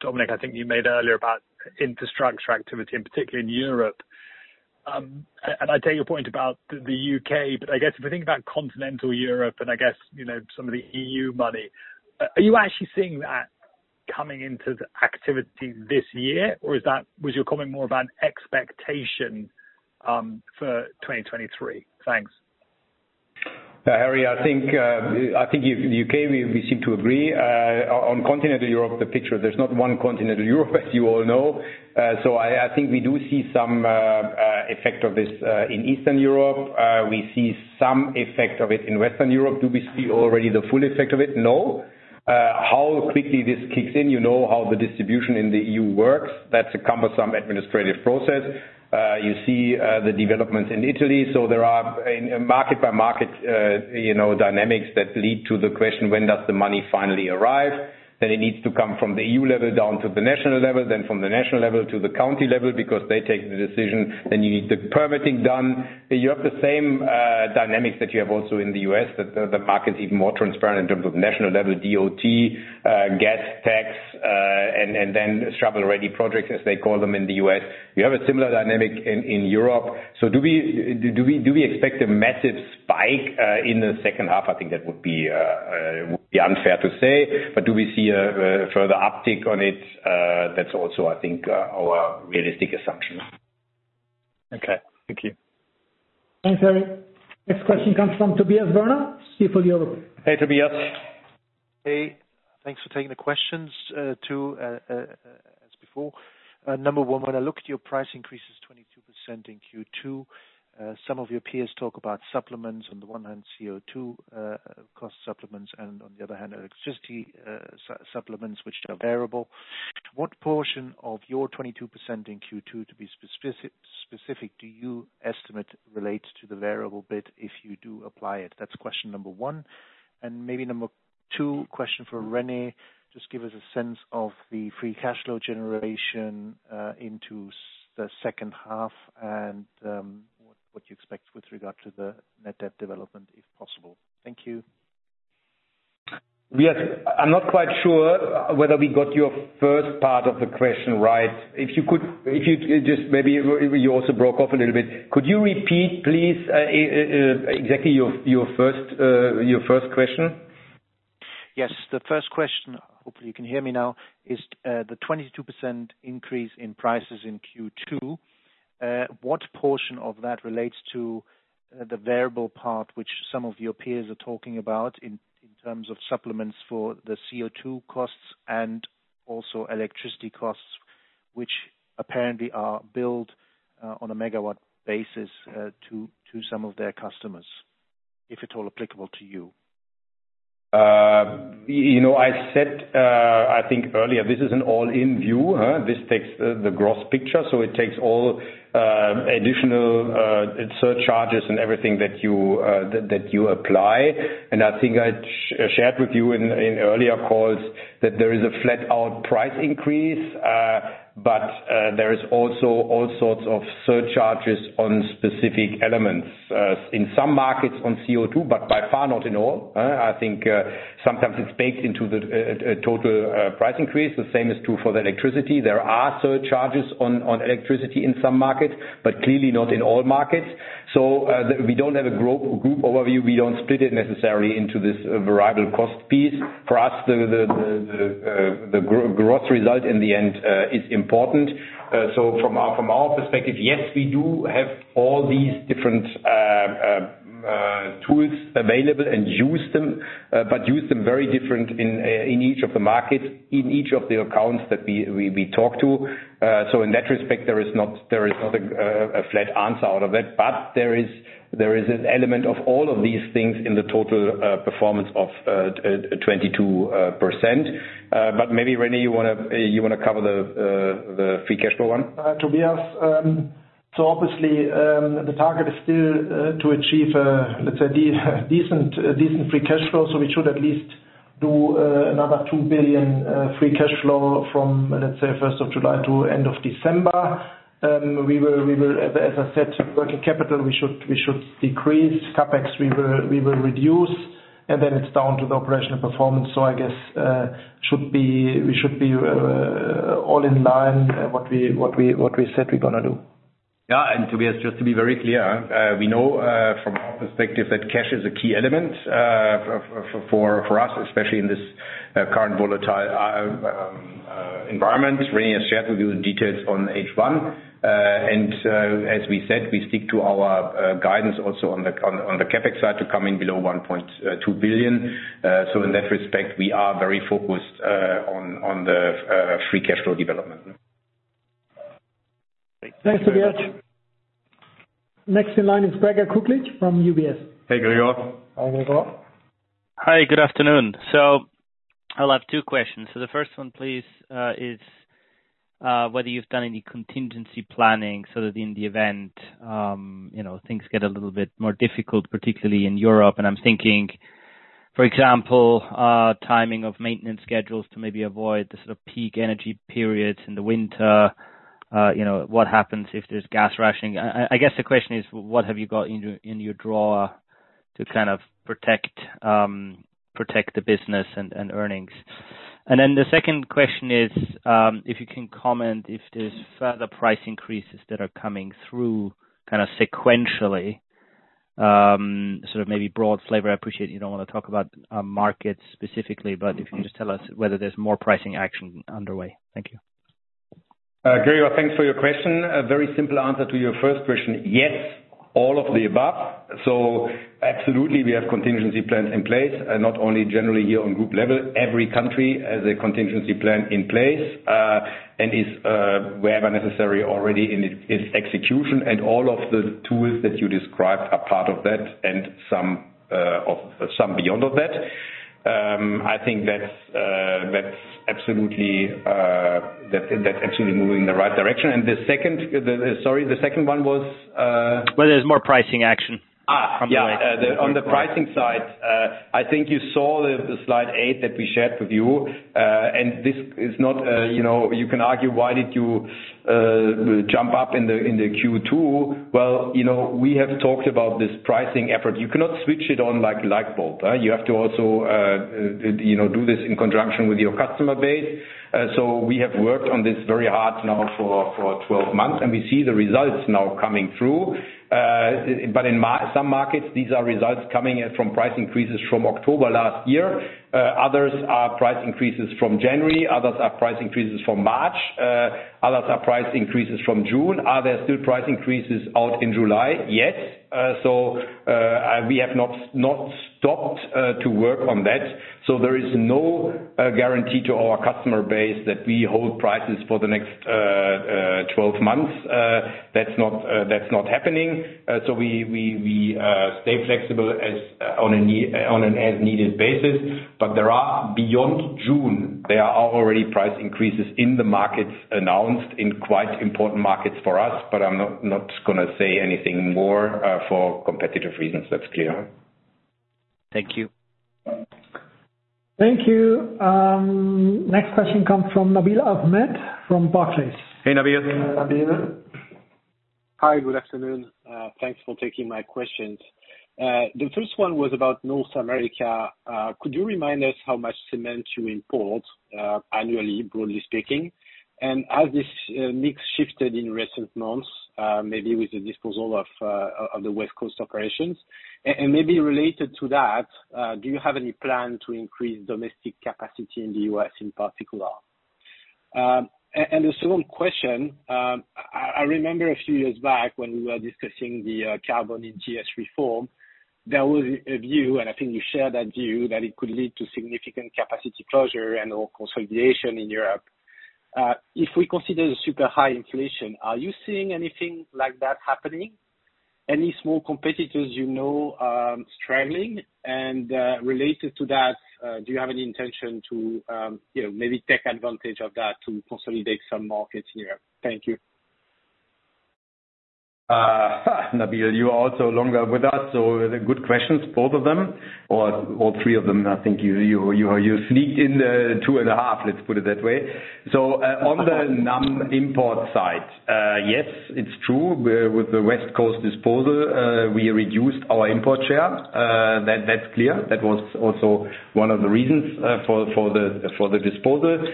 Dominik, I think you made earlier about infrastructure activity, and particularly in Europe. I take your point about the U.K., but I guess if I think about continental Europe and I guess, you know, some of the E.U. money, are you actually seeing that coming into the activity this year? Or was your comment more of an expectation for 2023? Thanks. Harry, I think in the UK we seem to agree. On continental Europe, the picture there's not one continental Europe as you all know. I think we do see some effect of this in Eastern Europe. We see some effect of it in Western Europe. Do we see already the full effect of it? No. How quickly this kicks in, you know how the distribution in the EU works. That's a cumbersome administrative process. You see, the developments in Italy, so there are market by market, you know, dynamics that lead to the question, when does the money finally arrive? It needs to come from the EU level down to the national level, then from the national level to the county level, because they take the decision, then you need the permitting done. You have the same dynamics that you have also in the U.S., that the market's even more transparent in terms of national level DOT, gas tax, and then travel ready projects, as they call them in the U.S. We have a similar dynamic in Europe. Do we expect a massive spike in the second half? I think that would be unfair to say, but do we see a further uptick on it? That's also, I think, our realistic assumption. Okay. Thank you. Thanks, Harry Goad. Next question comes from Tobias Woerner, Kepler Cheuvreux. Hey, Tobias. Hey, thanks for taking the questions as before. Number 1, when I look at your price increases 22% in Q2, some of your peers talk about supplements on the one hand CO2 cost supplements, and on the other hand, electricity supplements which are variable. What portion of your 22% in Q2, to be specific, do you estimate relates to the variable bit if you do apply it? That's question number 1. Maybe number 2 question for René, just give us a sense of the free cash flow generation into the second half and what you expect with regard to the net debt development, if possible. Thank you. I'm not quite sure whether we got your first part of the question right. If you could, if you just maybe you also broke off a little bit. Could you repeat, please, exactly your first question? Yes. The first question, hopefully you can hear me now, is, the 22% increase in prices in Q2, what portion of that relates to the variable part which some of your peers are talking about in terms of supplements for the CO2 costs and also electricity costs, which apparently are billed on a megawatt basis to some of their customers, if at all applicable to you? You know, I said, I think earlier, this is an all-in view. This takes the gross picture. It takes all additional surcharges and everything that you apply. I think I shared with you in earlier calls that there is a flat-out price increase, but there is also all sorts of surcharges on specific elements in some markets on CO2, but by far not in all. I think sometimes it's baked into the total price increase. The same is true for the electricity. There are surcharges on electricity in some markets, but clearly not in all markets. We don't have a group overview. We don't split it necessarily into this variable cost piece. For us, the gross result in the end is important. From our perspective, yes, we do have all these different tools available and use them, but use them very different in each of the markets, in each of the accounts that we talk to. In that respect, there is not a flat answer out of it, but there is an element of all of these things in the total performance of 22%. Maybe, René, you wanna cover the free cash flow one? Tobias, obviously, the target is still to achieve, let's say, decent free cash flow. We should at least do another 2 billion free cash flow from, let's say, first of July to end of December. We will, as I said, working capital, we should decrease CapEx, we will reduce, and then it's down to the operational performance. I guess, we should be all in line with what we said we're gonna do. Yeah. Tobias, just to be very clear, we know from our perspective that cash is a key element for us, especially in this current volatile environment. René has shared with you the details on H1. We said we stick to our guidance also on the CapEx side to come in below 1.2 billion. In that respect, we are very focused on the free cash flow development. Thanks. Thanks, Tobias. Next in line is Gregor Kuglitsch from UBS. Hey, Gregor. Hi, Gregor. Hi, good afternoon. I'll have two questions. The first one, please, is whether you've done any contingency planning so that in the event, you know, things get a little bit more difficult, particularly in Europe. I'm thinking, for example, timing of maintenance schedules to maybe avoid the sort of peak energy periods in the winter. You know, what happens if there's gas rationing? I guess the question is, what have you got in your drawer to kind of protect the business and earnings. The second question is, if you can comment if there's further price increases that are coming through kind of sequentially, sort of maybe broad flavor. I appreciate you don't want to talk about, markets specifically, but if you can just tell us whether there's more pricing action underway. Thank you. Gregor, thanks for your question. A very simple answer to your first question. Yes, all of the above. Absolutely, we have contingency plans in place, and not only generally here on group level. Every country has a contingency plan in place, and is wherever necessary already in its execution. All of the tools that you described are part of that and some of some beyond of that. I think that's absolutely that's actually moving in the right direction. The second one was. Whether there's more pricing action on the way? On the pricing side, I think you saw the slide eight that we shared with you. This is not, you know, you can argue, "Why did you jump up in the Q2?" Well, you know, we have talked about this pricing effort. You cannot switch it on like light bulb, you have to also, you know, do this in conjunction with your customer base. We have worked on this very hard now for 12 months, and we see the results now coming through. In some markets, these are results coming from price increases from October last year. Others are price increases from January, others are price increases from March, others are price increases from June. Are there still price increases out in July? Yes. We have not stopped to work on that. There is no guarantee to our customer base that we hold prices for the next 12 months. That's not happening. We stay flexible on an as-needed basis. Beyond June, there are already price increases in the markets announced in quite important markets for us, but I'm not gonna say anything more for competitive reasons. That's clear. Thank you. Thank you. Next question comes from Nabil Ahmed from Barclays. Hey, Nabil. Nabil? Hi. Good afternoon. Thanks for taking my questions. The first one was about North America. Could you remind us how much cement you import annually, broadly speaking? Has this mix shifted in recent months, maybe with the disposal of the West Coast operations? Maybe related to that, do you have any plan to increase domestic capacity in the U.S. in particular? The second question, I remember a few years back when we were discussing the Carbon ETS reform, there was a view, and I think you share that view, that it could lead to significant capacity closure and/or consolidation in Europe. If we consider the super high inflation, are you seeing anything like that happening? Any small competitors you know struggling? Related to that, do you have any intention to, you know, maybe take advantage of that to consolidate some markets in Europe? Thank you. Nabil, you are also longer with us, so they're good questions, both of them, or all three of them. I think you sneaked in the 2.5, let's put it that way. On the U.S. import side, yes, it's true. With the West Coast disposal, we reduced our import share. That's clear. That was also one of the reasons for the disposal.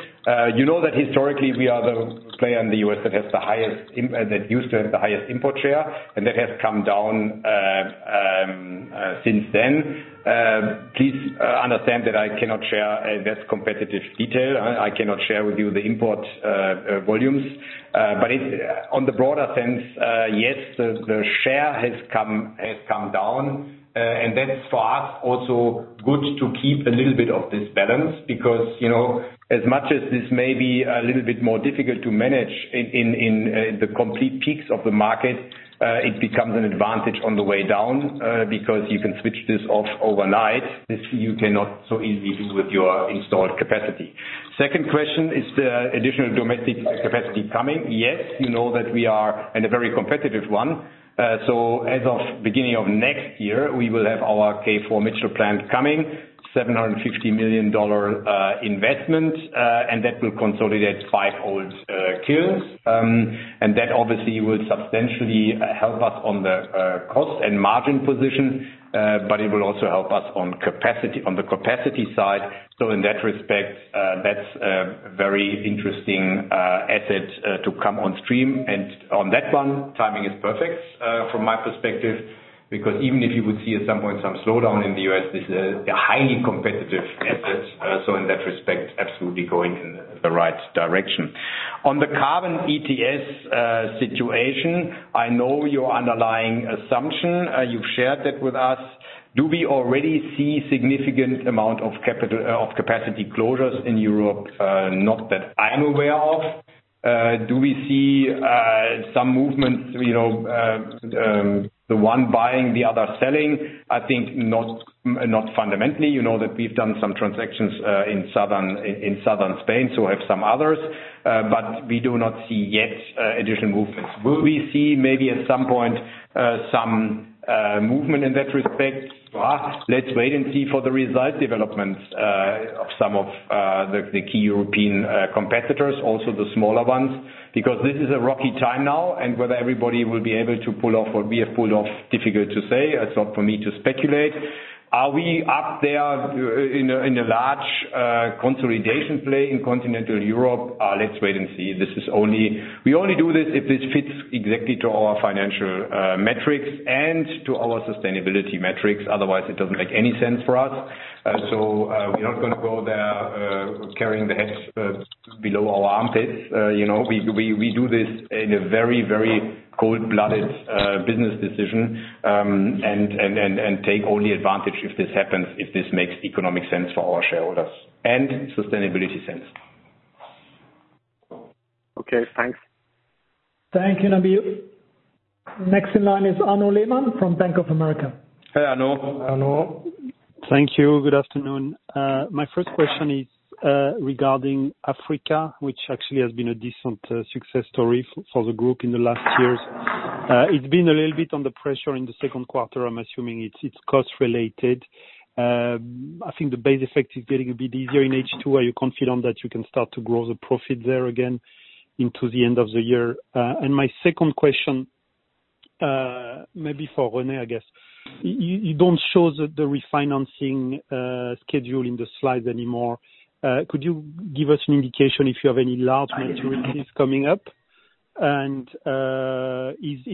You know that historically we are the player in the U.S. that used to have the highest import share, and that has come down since then. Please understand that I cannot share that competitive detail. I cannot share with you the import volumes. In the broader sense, yes, the share has come down. That's for us also good to keep a little bit of this balance because, you know, as much as this may be a little bit more difficult to manage in the competitive peaks of the market, it becomes an advantage on the way down, because you can switch this off overnight. This you cannot so easily do with your installed capacity. Second question, is there additional domestic capacity coming? Yes. You know that we are in a very competitive one. As of beginning of next year, we will have our K4 Mitchell plant coming, $750 million investment. That will consolidate 5 old kilns. That obviously will substantially help us on the cost and margin position, but it will also help us on capacity, on the capacity side. In that respect, that's a very interesting asset to come on stream. On that one, timing is perfect from my perspective, because even if you would see at some point some slowdown in the U.S., this is a highly competitive asset. In that respect, absolutely going in the right direction. On the Carbon ETS situation, I know your underlying assumption. You've shared that with us. Do we already see significant amount of capacity closures in Europe? Not that I'm aware of. Do we see some movements, you know, the one buying, the other selling? I think not fundamentally. You know that we've done some transactions in Southern Spain, so have some others, but we do not see yet additional movements. Will we see maybe at some point some movement in that respect? For us, let's wait and see for the result developments of some of the key European competitors, also the smaller ones. Because this is a rocky time now, and whether everybody will be able to pull off what we have pulled off, difficult to say. It's not for me to speculate. Are we up there in a large consolidation play in continental Europe? Let's wait and see. We only do this if this fits exactly to our financial metrics and to our sustainability metrics. Otherwise, it doesn't make any sense for us. We are not gonna go there, carrying the hedge below our armpits. You know, we do this in a very cold-blooded business decision, and take only advantage if this happens, if this makes economic sense for our shareholders and sustainability sense. Okay, thanks. Thank you, Nabil. Next in line is Arnaud Lehmann from Bank of America. Hey, Arnaud. Arnaud. Thank you. Good afternoon. My first question is regarding Africa, which actually has been a decent success story for the group in the last years. It's been a little bit under pressure in the second quarter. I'm assuming it's cost related. I think the base effect is getting a bit easier in H2. Are you confident that you can start to grow the profit there again into the end of the year? My second question, maybe for René, I guess. You don't show the refinancing schedule in the slides anymore. Could you give us an indication if you have any large maturities coming up? Is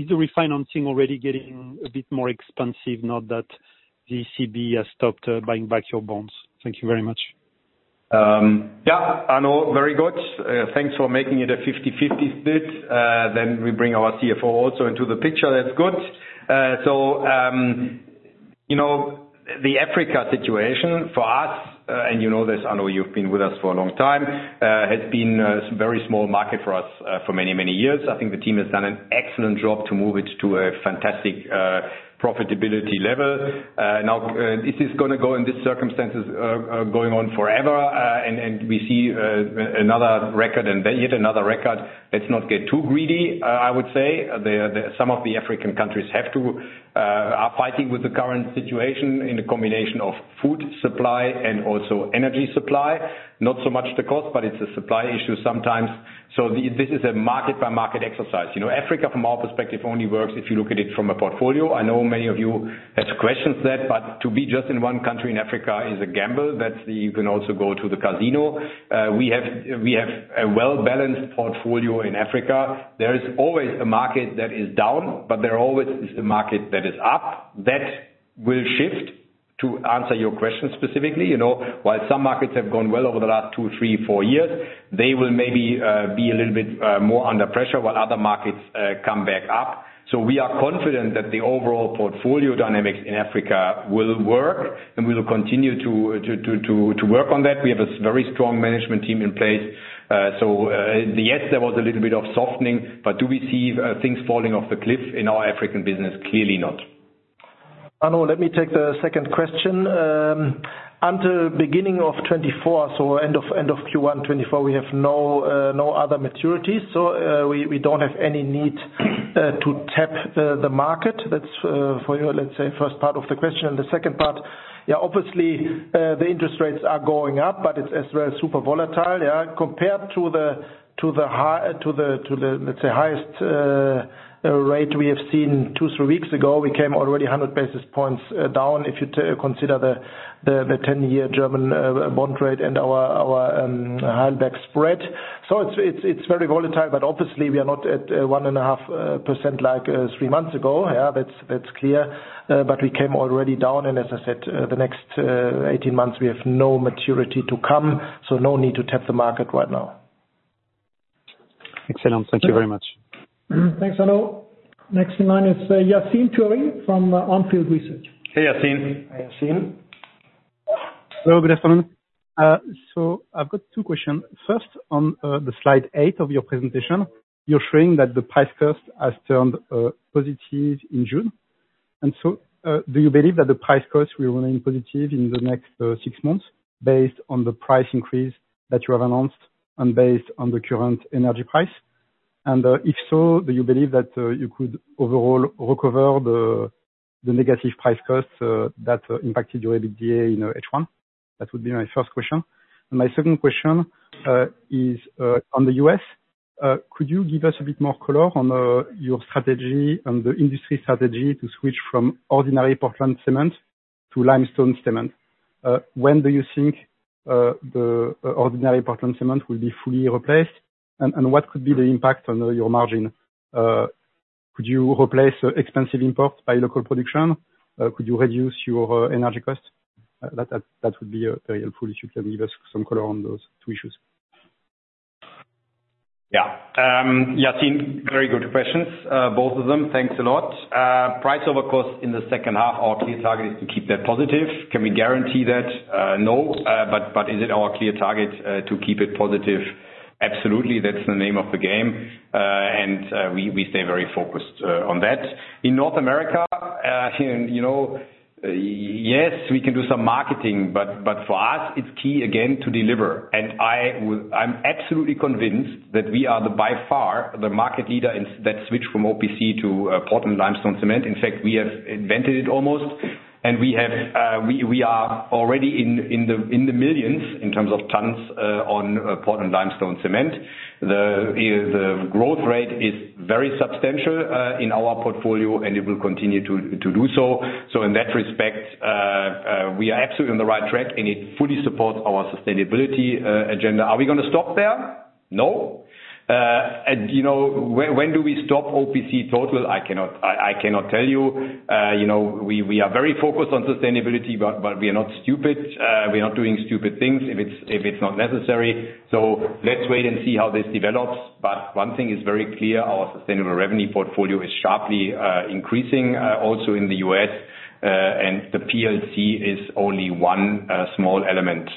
the refinancing already getting a bit more expensive now that the ECB has stopped buying back your bonds? Thank you very much. Yeah, Arnaud, very good. Thanks for making it a 50-50 split. Then we bring our CFO also into the picture. That's good. You know, the Africa situation for us, and you know this, Arnaud, you've been with us for a long time, has been a very small market for us, for many, many years. I think the team has done an excellent job to move it to a fantastic profitability level. Now, is this gonna go in these circumstances going on forever, and we see another record and then yet another record? Let's not get too greedy, I would say. Some of the African countries are fighting with the current situation in the combination of food supply and also energy supply. Not so much the cost, but it's a supply issue sometimes. This is a market by market exercise. You know, Africa from our perspective, only works if you look at it from a portfolio. I know many of you have questioned that, but to be just in one country in Africa is a gamble. That's it. You can also go to the casino. We have a well-balanced portfolio in Africa. There is always a market that is down, but there always is a market that is up. That will shift, to answer your question specifically. You know, while some markets have gone well over the last two, three, four years, they will maybe be a little bit more under pressure while other markets come back up. We are confident that the overall portfolio dynamics in Africa will work, and we will continue to work on that. We have a very strong management team in place. Yes, there was a little bit of softening, but do we see things falling off the cliff in our African business? Clearly not. Arnaud, let me take the second question. Until beginning of 2024, so end of Q1 2024, we have no other maturities. We don't have any need to tap the market. That's for your, let's say, first part of the question. The second part, yeah, obviously, the interest rates are going up, but it's as well super volatile, yeah. Compared to the high, let's say, the highest rate we have seen two, three weeks ago, we came already 100 basis points down, if you consider the 10-year German bond rate and our high bank spread. It's very volatile, but obviously we are not at 1.5% like three months ago. Yeah, that's clear. We came already down, and as I said, the next 18 months, we have no maturity to come. No need to tap the market right now. Excellent. Thank you very much. Thanks, Arnaud. Next in line is Yassine Touahri from On Field Investment Research. Hey, Yassine. Yassine. Hello, good afternoon. I've got two questions. First, on the slide eight of your presentation, you're showing that the price cost has turned positive in June. Do you believe that the price cost will remain positive in the next six months based on the price increase that you have announced and based on the current energy price? If so, do you believe that you could overall recover the negative price costs that impacted your EBITDA in H1? That would be my first question. My second question is on the US. Could you give us a bit more color on your strategy and the industry strategy to switch from ordinary Portland cement to limestone cement? When do you think the ordinary Portland cement will be fully replaced? What could be the impact on your margin? Could you replace expensive imports by local production? Could you reduce your energy costs? That would be very helpful if you can give us some color on those two issues. Yeah. Yassine, very good questions, both of them. Thanks a lot. Price over cost in the second half, our clear target is to keep that positive. Can we guarantee that? No. But is it our clear target to keep it positive? Absolutely. That's the name of the game. We stay very focused on that. In North America, you know, yes, we can do some marketing, but for us, it's key again to deliver. I'm absolutely convinced that we are by far the market leader in that switch from OPC to Portland limestone cement. In fact, we have invented it almost, and we are already in the millions in terms of tons on Portland limestone cement. The growth rate is very substantial in our portfolio, and it will continue to do so. In that respect, we are absolutely on the right track, and it fully supports our sustainability agenda. Are we gonna stop there? No. You know, when do we stop OPC totally? I cannot tell you. You know, we are very focused on sustainability, but we are not stupid. We are not doing stupid things if it's not necessary. Let's wait and see how this develops. One thing is very clear, our sustainable revenue portfolio is sharply increasing also in the U.S. The PLC is only one small element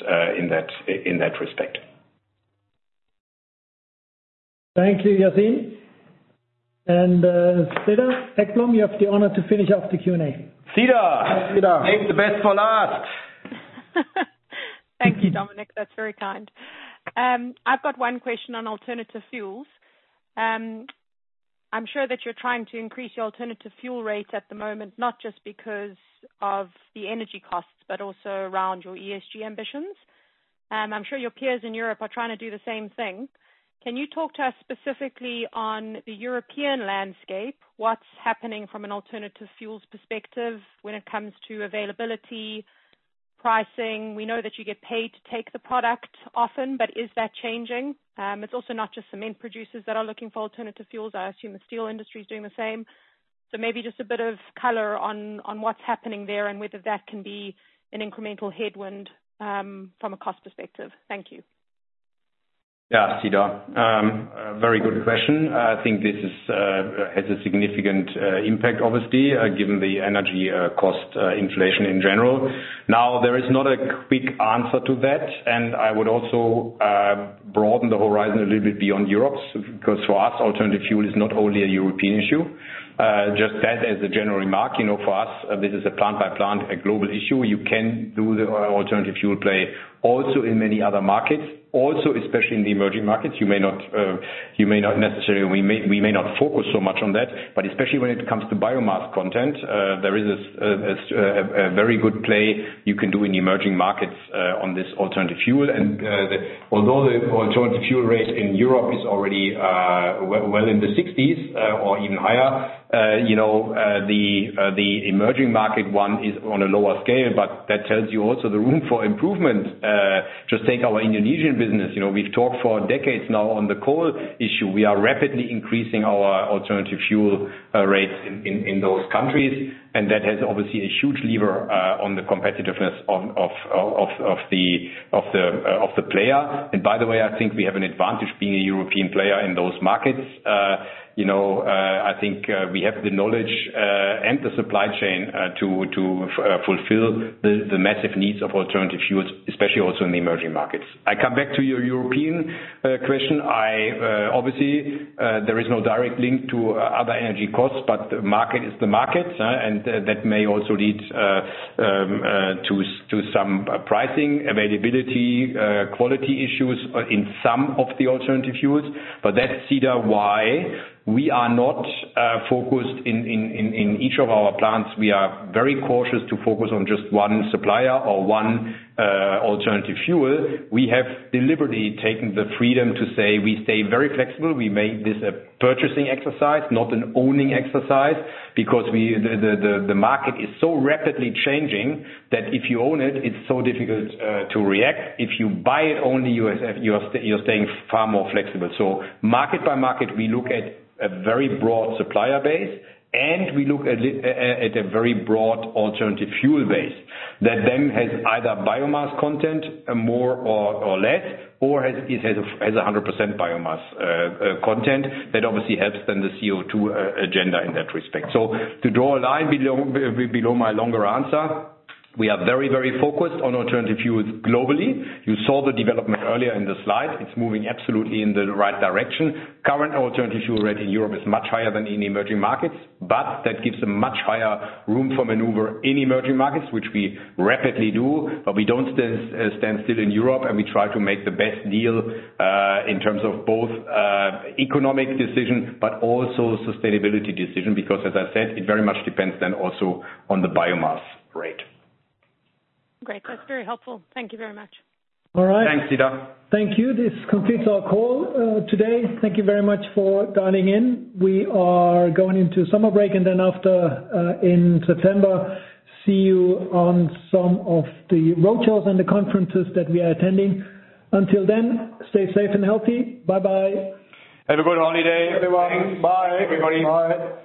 in that respect. Thank you, Yassine. Cedar Ekblom, you have the honor to finish off the Q&A. Cedar. Cedar. Save the best for last. Thank you, Dominik. That's very kind. I've got one question on alternative fuels. I'm sure that you're trying to increase your alternative fuel rates at the moment, not just because of the energy costs, but also around your ESG ambitions. I'm sure your peers in Europe are trying to do the same thing. Can you talk to us specifically on the European landscape? What's happening from an alternative fuels perspective when it comes to availability, pricing? We know that you get paid to take the product often, but is that changing? It's also not just cement producers that are looking for alternative fuels. I assume the steel industry is doing the same. Maybe just a bit of color on what's happening there and whether that can be an incremental headwind, from a cost perspective. Thank you. Yeah, Cedar. Very good question. I think this has a significant impact, obviously, given the energy cost inflation in general. Now, there is not a quick answer to that, and I would also broaden the horizon a little bit beyond Europe, because for us, alternative fuel is not only a European issue. Just that as a general remark, you know, for us, this is a plant by plant, a global issue. You can do the alternative fuel play also in many other markets, also, especially in the emerging markets. We may not focus so much on that, but especially when it comes to biomass content, there is a very good play you can do in emerging markets on this alternative fuel. Although the alternative fuel rates in Europe is already well in the 60s%, or even higher, you know, the emerging market one is on a lower scale, but that tells you also the room for improvement. Just take our Indonesian business. You know, we've talked for decades now on the coal issue. We are rapidly increasing our alternative fuel rates in those countries. That has obviously a huge leverage on the competitiveness of the player. By the way, I think we have an advantage being a European player in those markets. You know, I think we have the knowledge and the supply chain to fulfill the massive needs of alternative fuels, especially also in the emerging markets. I come back to your European question. I obviously, there is no direct link to other energy costs. The market is the market and that may also lead to some pricing, availability, quality issues in some of the alternative fuels. That's, Cedar Ekblom, why we are not focused in each of our plants. We are very cautious to focus on just one supplier or one alternative fuel. We have deliberately taken the freedom to say we stay very flexible. We made this a purchasing exercise, not an owning exercise, because the market is so rapidly changing that if you own it's so difficult to react. If you buy it on the spot, you're staying far more flexible. Market by market, we look at a very broad supplier base, and we look at a very broad alternative fuel base that then has either biomass content more or less, or has 100% biomass content. That obviously helps then the CO2 agenda in that respect. To draw a line below my longer answer, we are very, very focused on alternative fuels globally. You saw the development earlier in the slide. It's moving absolutely in the right direction. Current alternative fuel rate in Europe is much higher than in emerging markets, but that gives a much higher room for manoeuvre in emerging markets, which we rapidly do. We don't stand still in Europe, and we try to make the best deal in terms of both economic decision, but also sustainability decision, because as I said, it very much depends then also on the biomass rate. Great. That's very helpful. Thank you very much. Thanks, Cedar. All right. Thank you. This completes our call, today. Thank you very much for dialing in. We are going into summer break and then after, in September, see you on some of the roadshows and the conferences that we are attending. Until then, stay safe and healthy. Bye-bye. Have a good holiday. Everyone, bye. Thanks, everybody. Bye.